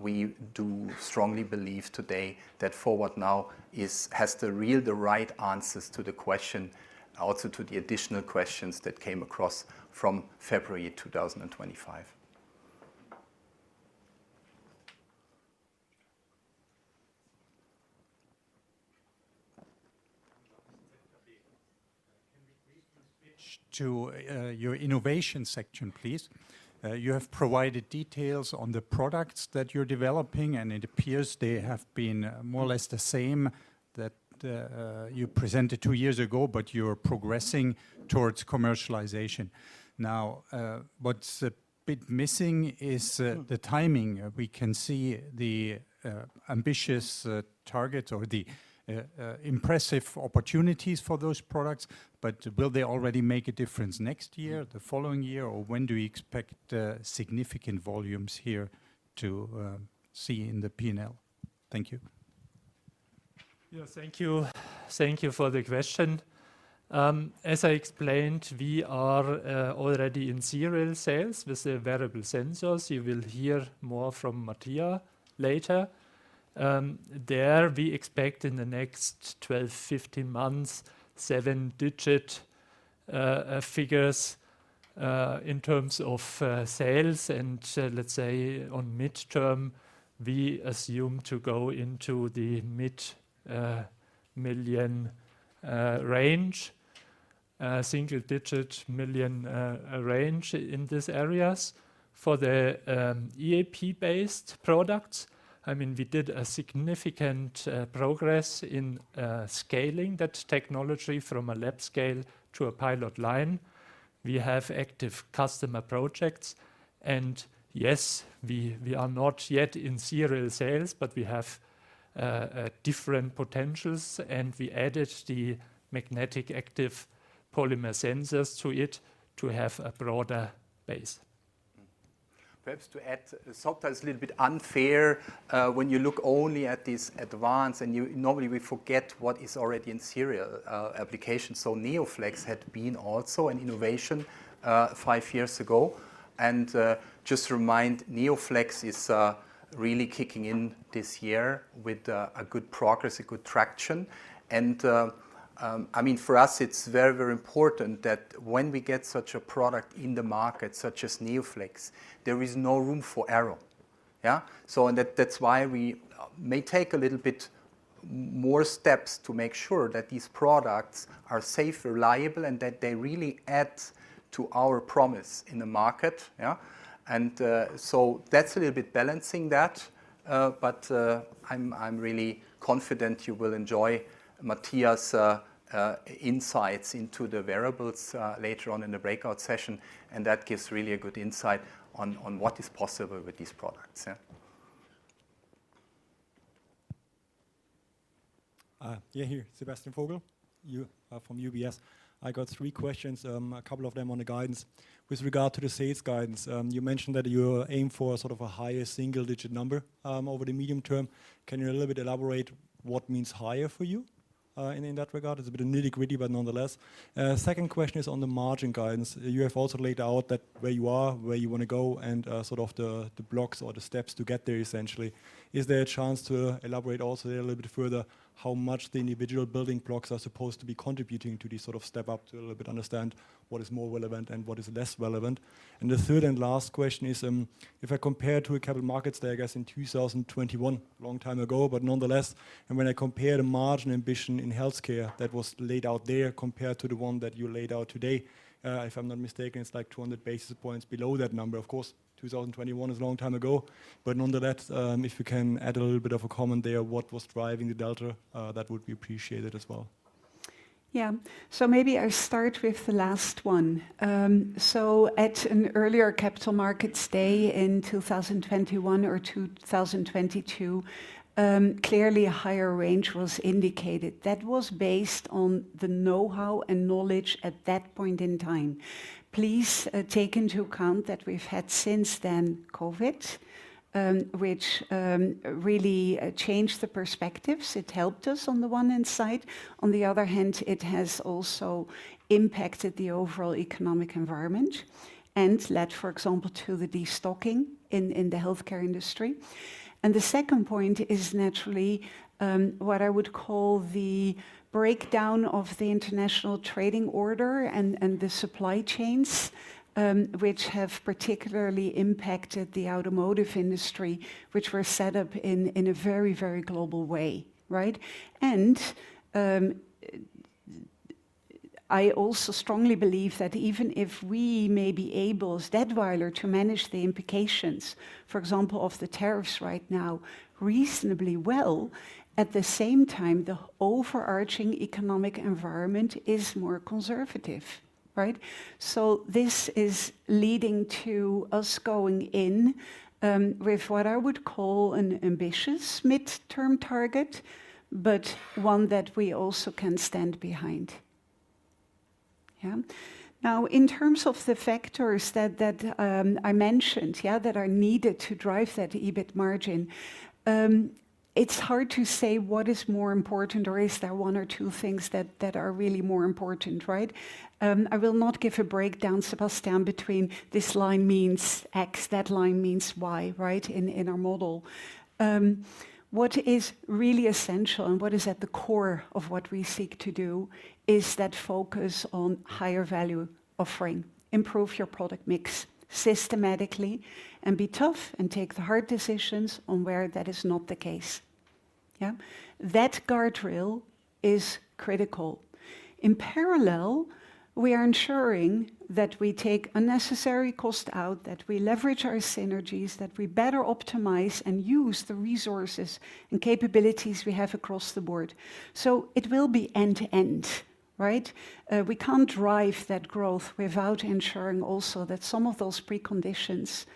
We do strongly believe today that Forward Now has the real, the right answers to the question, also to the additional questions that came across from February 2025. Can we switch to your innovation section, please? You have provided details on the products that you are developing, and it appears they have been more or less the same that you presented two years ago, but you are progressing towards commercialization. Now, what is a bit missing is the timing. We can see the ambitious targets or the impressive opportunities for those products, but will they already make a difference next year, the following year, or when do we expect significant volumes here to see in the P&L? Thank you. Yeah, thank you. Thank you for the question. As I explained, we are already in serial sales with variable sensors. You will hear more from Matthias later. There we expect in the next 12-15 months, seven-digit figures in terms of sales. Let's say on midterm, we assume to go into the mid-million range, single-digit million range in these areas. For the EAP-based products, I mean, we did significant progress in scaling that technology from a lab scale to a pilot line. We have active customer projects. Yes, we are not yet in serial sales, but we have different potentials. We added the magnetic active polymer sensors to it to have a broader base. Perhaps to add, sometimes it is a little bit unfair when you look only at these advanced and normally we forget what is already in serial applications. NeoFlex had been also an innovation five years ago. Just to remind, NeoFlex is really kicking in this year with good progress, good traction. I mean, for us, it's very, very important that when we get such a product in the market, such as NeoFlex, there is no room for error. That is why we may take a little bit more steps to make sure that these products are safe, reliable, and that they really add to our promise in the market. That is a little bit balancing that. I am really confident you will enjoy Matthias' insights into the wearables later on in the breakout session. That gives really a good insight on what is possible with these products. Here, Sebastian Vogel, you are from UBS. I got three questions, a couple of them on the guidance. With regard to the sales guidance, you mentioned that you aim for sort of a higher single-digit number over the medium term. Can you a little bit elaborate what means higher for you in that regard? It's a bit nitty-gritty, but nonetheless. Second question is on the margin guidance. You have also laid out where you are, where you want to go, and sort of the blocks or the steps to get there essentially. Is there a chance to elaborate also a little bit further how much the individual building blocks are supposed to be contributing to these sort of step-up to a little bit understand what is more relevant and what is less relevant? The third and last question is, if I compare to a Capital Markets Day, I guess in 2021, a long time ago, but nonetheless, and when I compare the margin ambition in healthcare that was laid out there compared to the one that you laid out today, if I'm not mistaken, it's like 200 basis points below that number. Of course, 2021 is a long time ago. Nonetheless, if you can add a little bit of a comment there, what was driving the delta, that would be appreciated as well. Yeah, maybe I'll start with the last one. At an earlier Capital Markets Day in 2021 or 2022, clearly a higher range was indicated. That was based on the know-how and knowledge at that point in time. Please take into account that we've had since then COVID, which really changed the perspectives. It helped us on the one hand side. On the other hand, it has also impacted the overall economic environment and led, for example, to the destocking in the healthcare industry. The second point is naturally what I would call the breakdown of the international trading order and the supply chains, which have particularly impacted the automotive industry, which were set up in a very, very global way. I also strongly believe that even if we may be able, as Datwyler, to manage the implications, for example, of the tariffs right now reasonably well, at the same time, the overarching economic environment is more conservative. This is leading to us going in with what I would call an ambitious midterm target, but one that we also can stand behind. Now, in terms of the factors that I mentioned that are needed to drive that EBIT margin, it's hard to say what is more important or is there one or two things that are really more important. I will not give a breakdown, Sebastian, between this line means X, that line means Y in our model. What is really essential and what is at the core of what we seek to do is that focus on higher value offering, improve your product mix systematically, and be tough and take the hard decisions on where that is not the case. That guardrail is critical. In parallel, we are ensuring that we take unnecessary cost out, that we leverage our synergies, that we better optimize and use the resources and capabilities we have across the board. It will be end to end. We can't drive that growth without ensuring also that some of those preconditions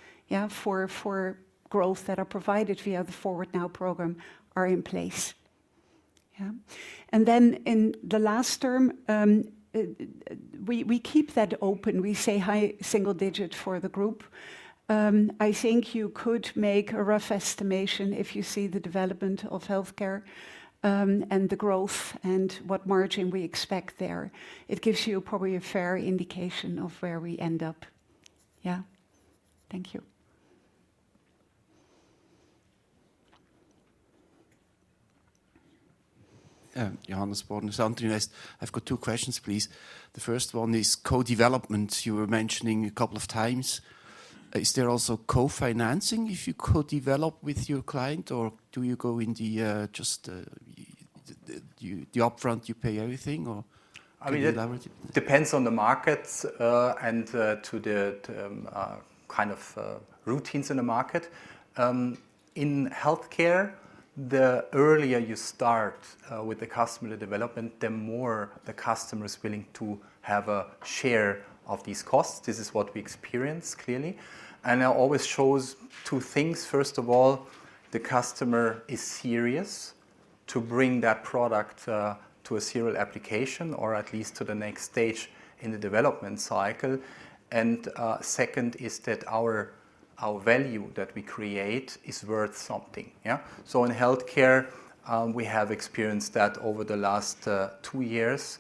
for growth that are provided via the «ForwardNow» program are in place. In the last term, we keep that open. We say high single digit for the group. I think you could make a rough estimation if you see the development of healthcare and the growth and what margin we expect there. It gives you probably a fair indication of where we end up. Thank you. Patrick Appenzeller, Research Partner. I've got two questions, please. The first one is co-development. You were mentioning a couple of times. Is there also co-financing if you co-develop with your client, or do you go in the just the upfront, you pay everything or collaborative? It depends on the market and to the kind of routines in the market. In healthcare, the earlier you start with the customer development, the more the customer is willing to have a share of these costs. This is what we experience clearly. It always shows two things. First of all, the customer is serious to bring that product to a serial application or at least to the next stage in the development cycle. Second is that our value that we create is worth something. In healthcare, we have experienced that over the last two years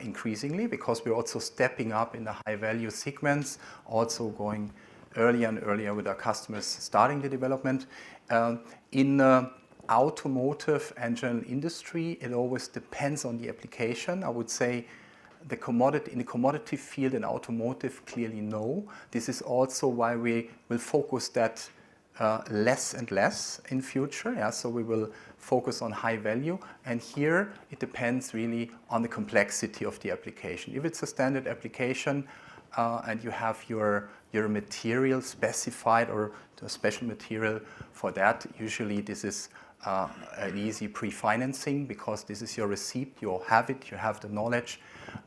increasingly because we're also stepping up in the high-value segments, also going earlier and earlier with our customers starting the development. In the automotive and general industry, it always depends on the application. I would say in the commodity field in automotive, clearly no. This is also why we will focus that less and less in future. We will focus on high value. Here, it depends really on the complexity of the application. If it's a standard application and you have your material specified or a special material for that, usually this is an easy pre-financing because this is your receipt, you'll have it, you have the knowledge.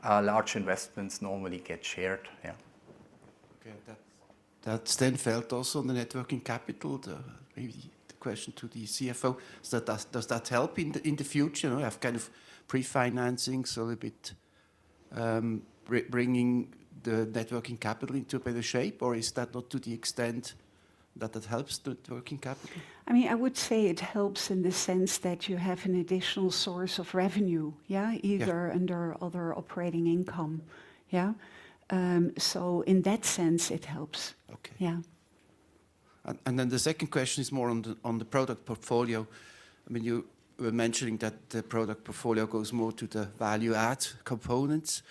Large investments normally get shared. That is then felt also on the working capital. The question to the CFO, does that help in the future? I have kind of pre-financing a little bit, bringing the working capital into a better shape, or is that not to the extent that that helps the working capital? I mean, I would say it helps in the sense that you have an additional source of revenue, either under other operating income. In that sense, it helps. The second question is more on the product portfolio. I mean, you were mentioning that the product portfolio goes more to the value-add components.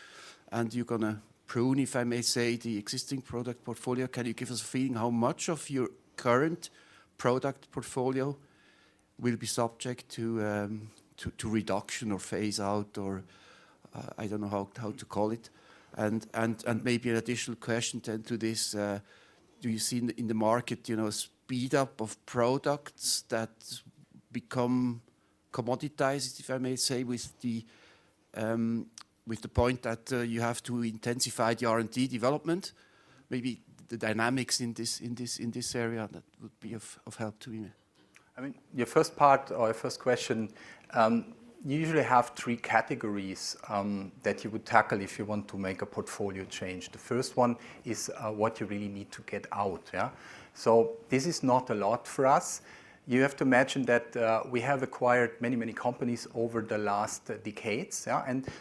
And you're going to prune, if I may say, the existing product portfolio. Can you give us a feeling how much of your current product portfolio will be subject to reduction or phase out, or I don't know how to call it? Maybe an additional question to this, do you see in the market a speed-up of products that become commoditized, if I may say, with the point that you have to intensify the R&D development? Maybe the dynamics in this area that would be of help to me. I mean, your first part or your first question, you usually have three categories that you would tackle if you want to make a portfolio change. The first one is what you really need to get out. So this is not a lot for us. You have to imagine that we have acquired many, many companies over the last decades.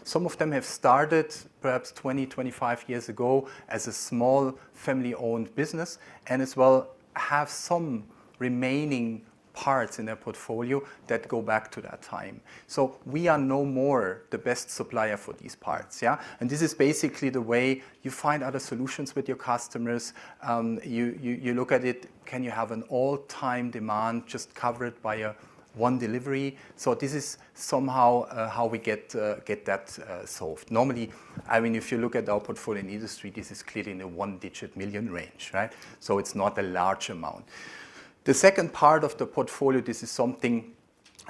Some of them have started perhaps 20, 25 years ago as a small family-owned business and as well have some remaining parts in their portfolio that go back to that time. We are no more the best supplier for these parts. This is basically the way you find other solutions with your customers. You look at it, can you have an all-time demand just covered by one delivery? This is somehow how we get that solved. Normally, I mean, if you look at our portfolio industry, this is clearly in the one-digit million range. It is not a large amount. The second part of the portfolio, this is something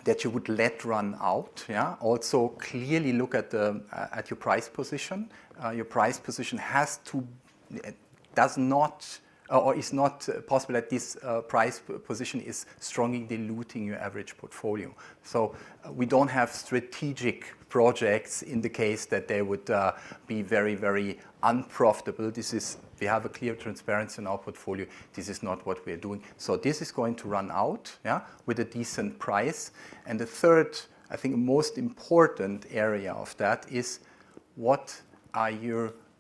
that you would let run out. Also clearly look at your price position. Your price position does not or is not possible at this price position is strongly diluting your average portfolio. We do not have strategic projects in the case that they would be very, very unprofitable. We have a clear transparency in our portfolio. This is not what we are doing. This is going to run out with a decent price. The third, I think, most important area of that is what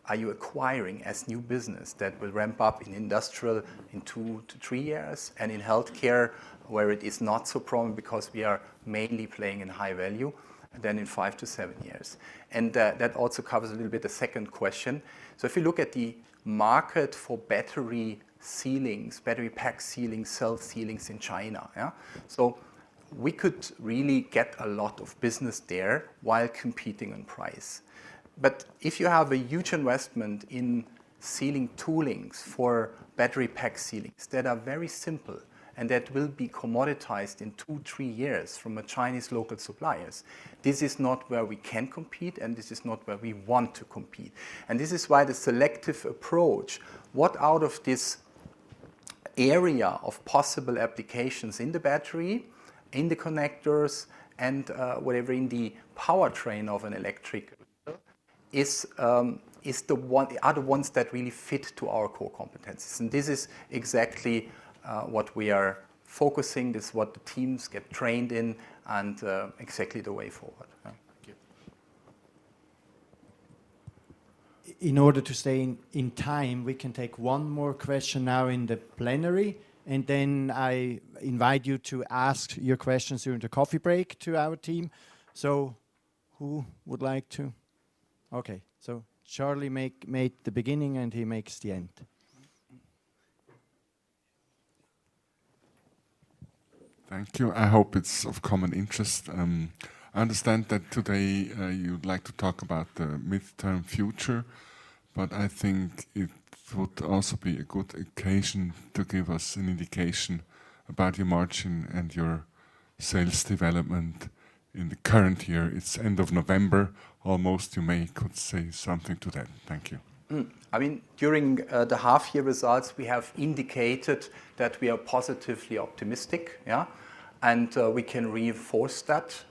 are you acquiring as new business that will ramp up in industrial in two to three years and in healthcare where it is not so prominent because we are mainly playing in high value, then in five to seven years. That also covers a little bit the second question. If you look at the market for battery sealings, battery pack sealings, cell sealings in China, we could really get a lot of business there while competing on price. If you have a huge investment in sealing toolings for battery pack sealings that are very simple and that will be commoditized in two, three years from Chinese local suppliers, this is not where we can compete and this is not where we want to compete. This is why the selective approach, what out of this area of possible applications in the battery, in the connectors, and whatever in the powertrain of an electric vehicle are the ones that really fit to our core competencies. This is exactly what we are focusing. This is what the teams get trained in and exactly the way forward. In order to stay in time, we can take one more question now in the plenary, and then I invite you to ask your questions during the coffee break to our team. Who would like to? Okay. Charlie made the beginning and he makes the end. Thank you. I hope it's of common interest. I understand that today you'd like to talk about the midterm future, but I think it would also be a good occasion to give us an indication about your margin and your sales development in the current year. It's end of November almost. You may could say something to that. Thank you. I mean, during the half-year results, we have indicated that we are positively optimistic, and we can reinforce that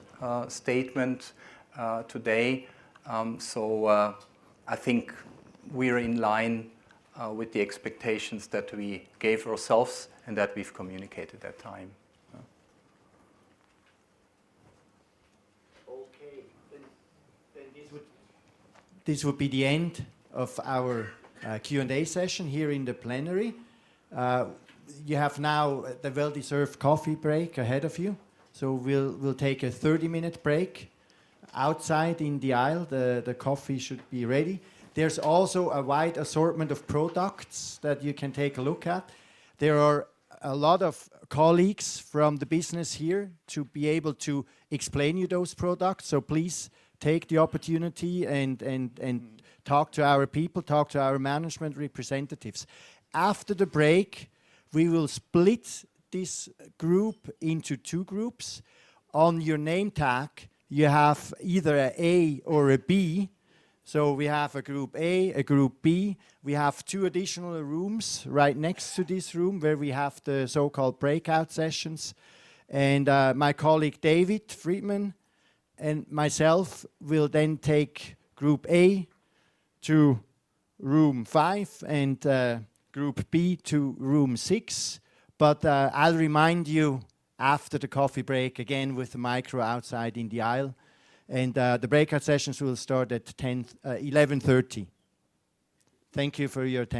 statement today. I think we're in line with the expectations that we gave ourselves and that we've communicated that time. Okay. This would be the end of our Q&A session here in the plenary. You have now the well-deserved coffee break ahead of you. We will take a 30-minute break outside in the aisle. The coffee should be ready. There is also a wide assortment of products that you can take a look at. There are a lot of colleagues from the business here to be able to explain you those products. Please take the opportunity and talk to our people, talk to our management representatives. After the break, we will split this group into two groups. On your name tag, you have either an A or a B. We have a group A, a group B. We have two additional rooms right next to this room where we have the so-called breakout sessions. My colleague David Friedman and myself will then take group A to room five and group B to room six. I will remind you after the coffee break again with the micro outside in the aisle. The breakout sessions will start at 11:30. Thank you for your time.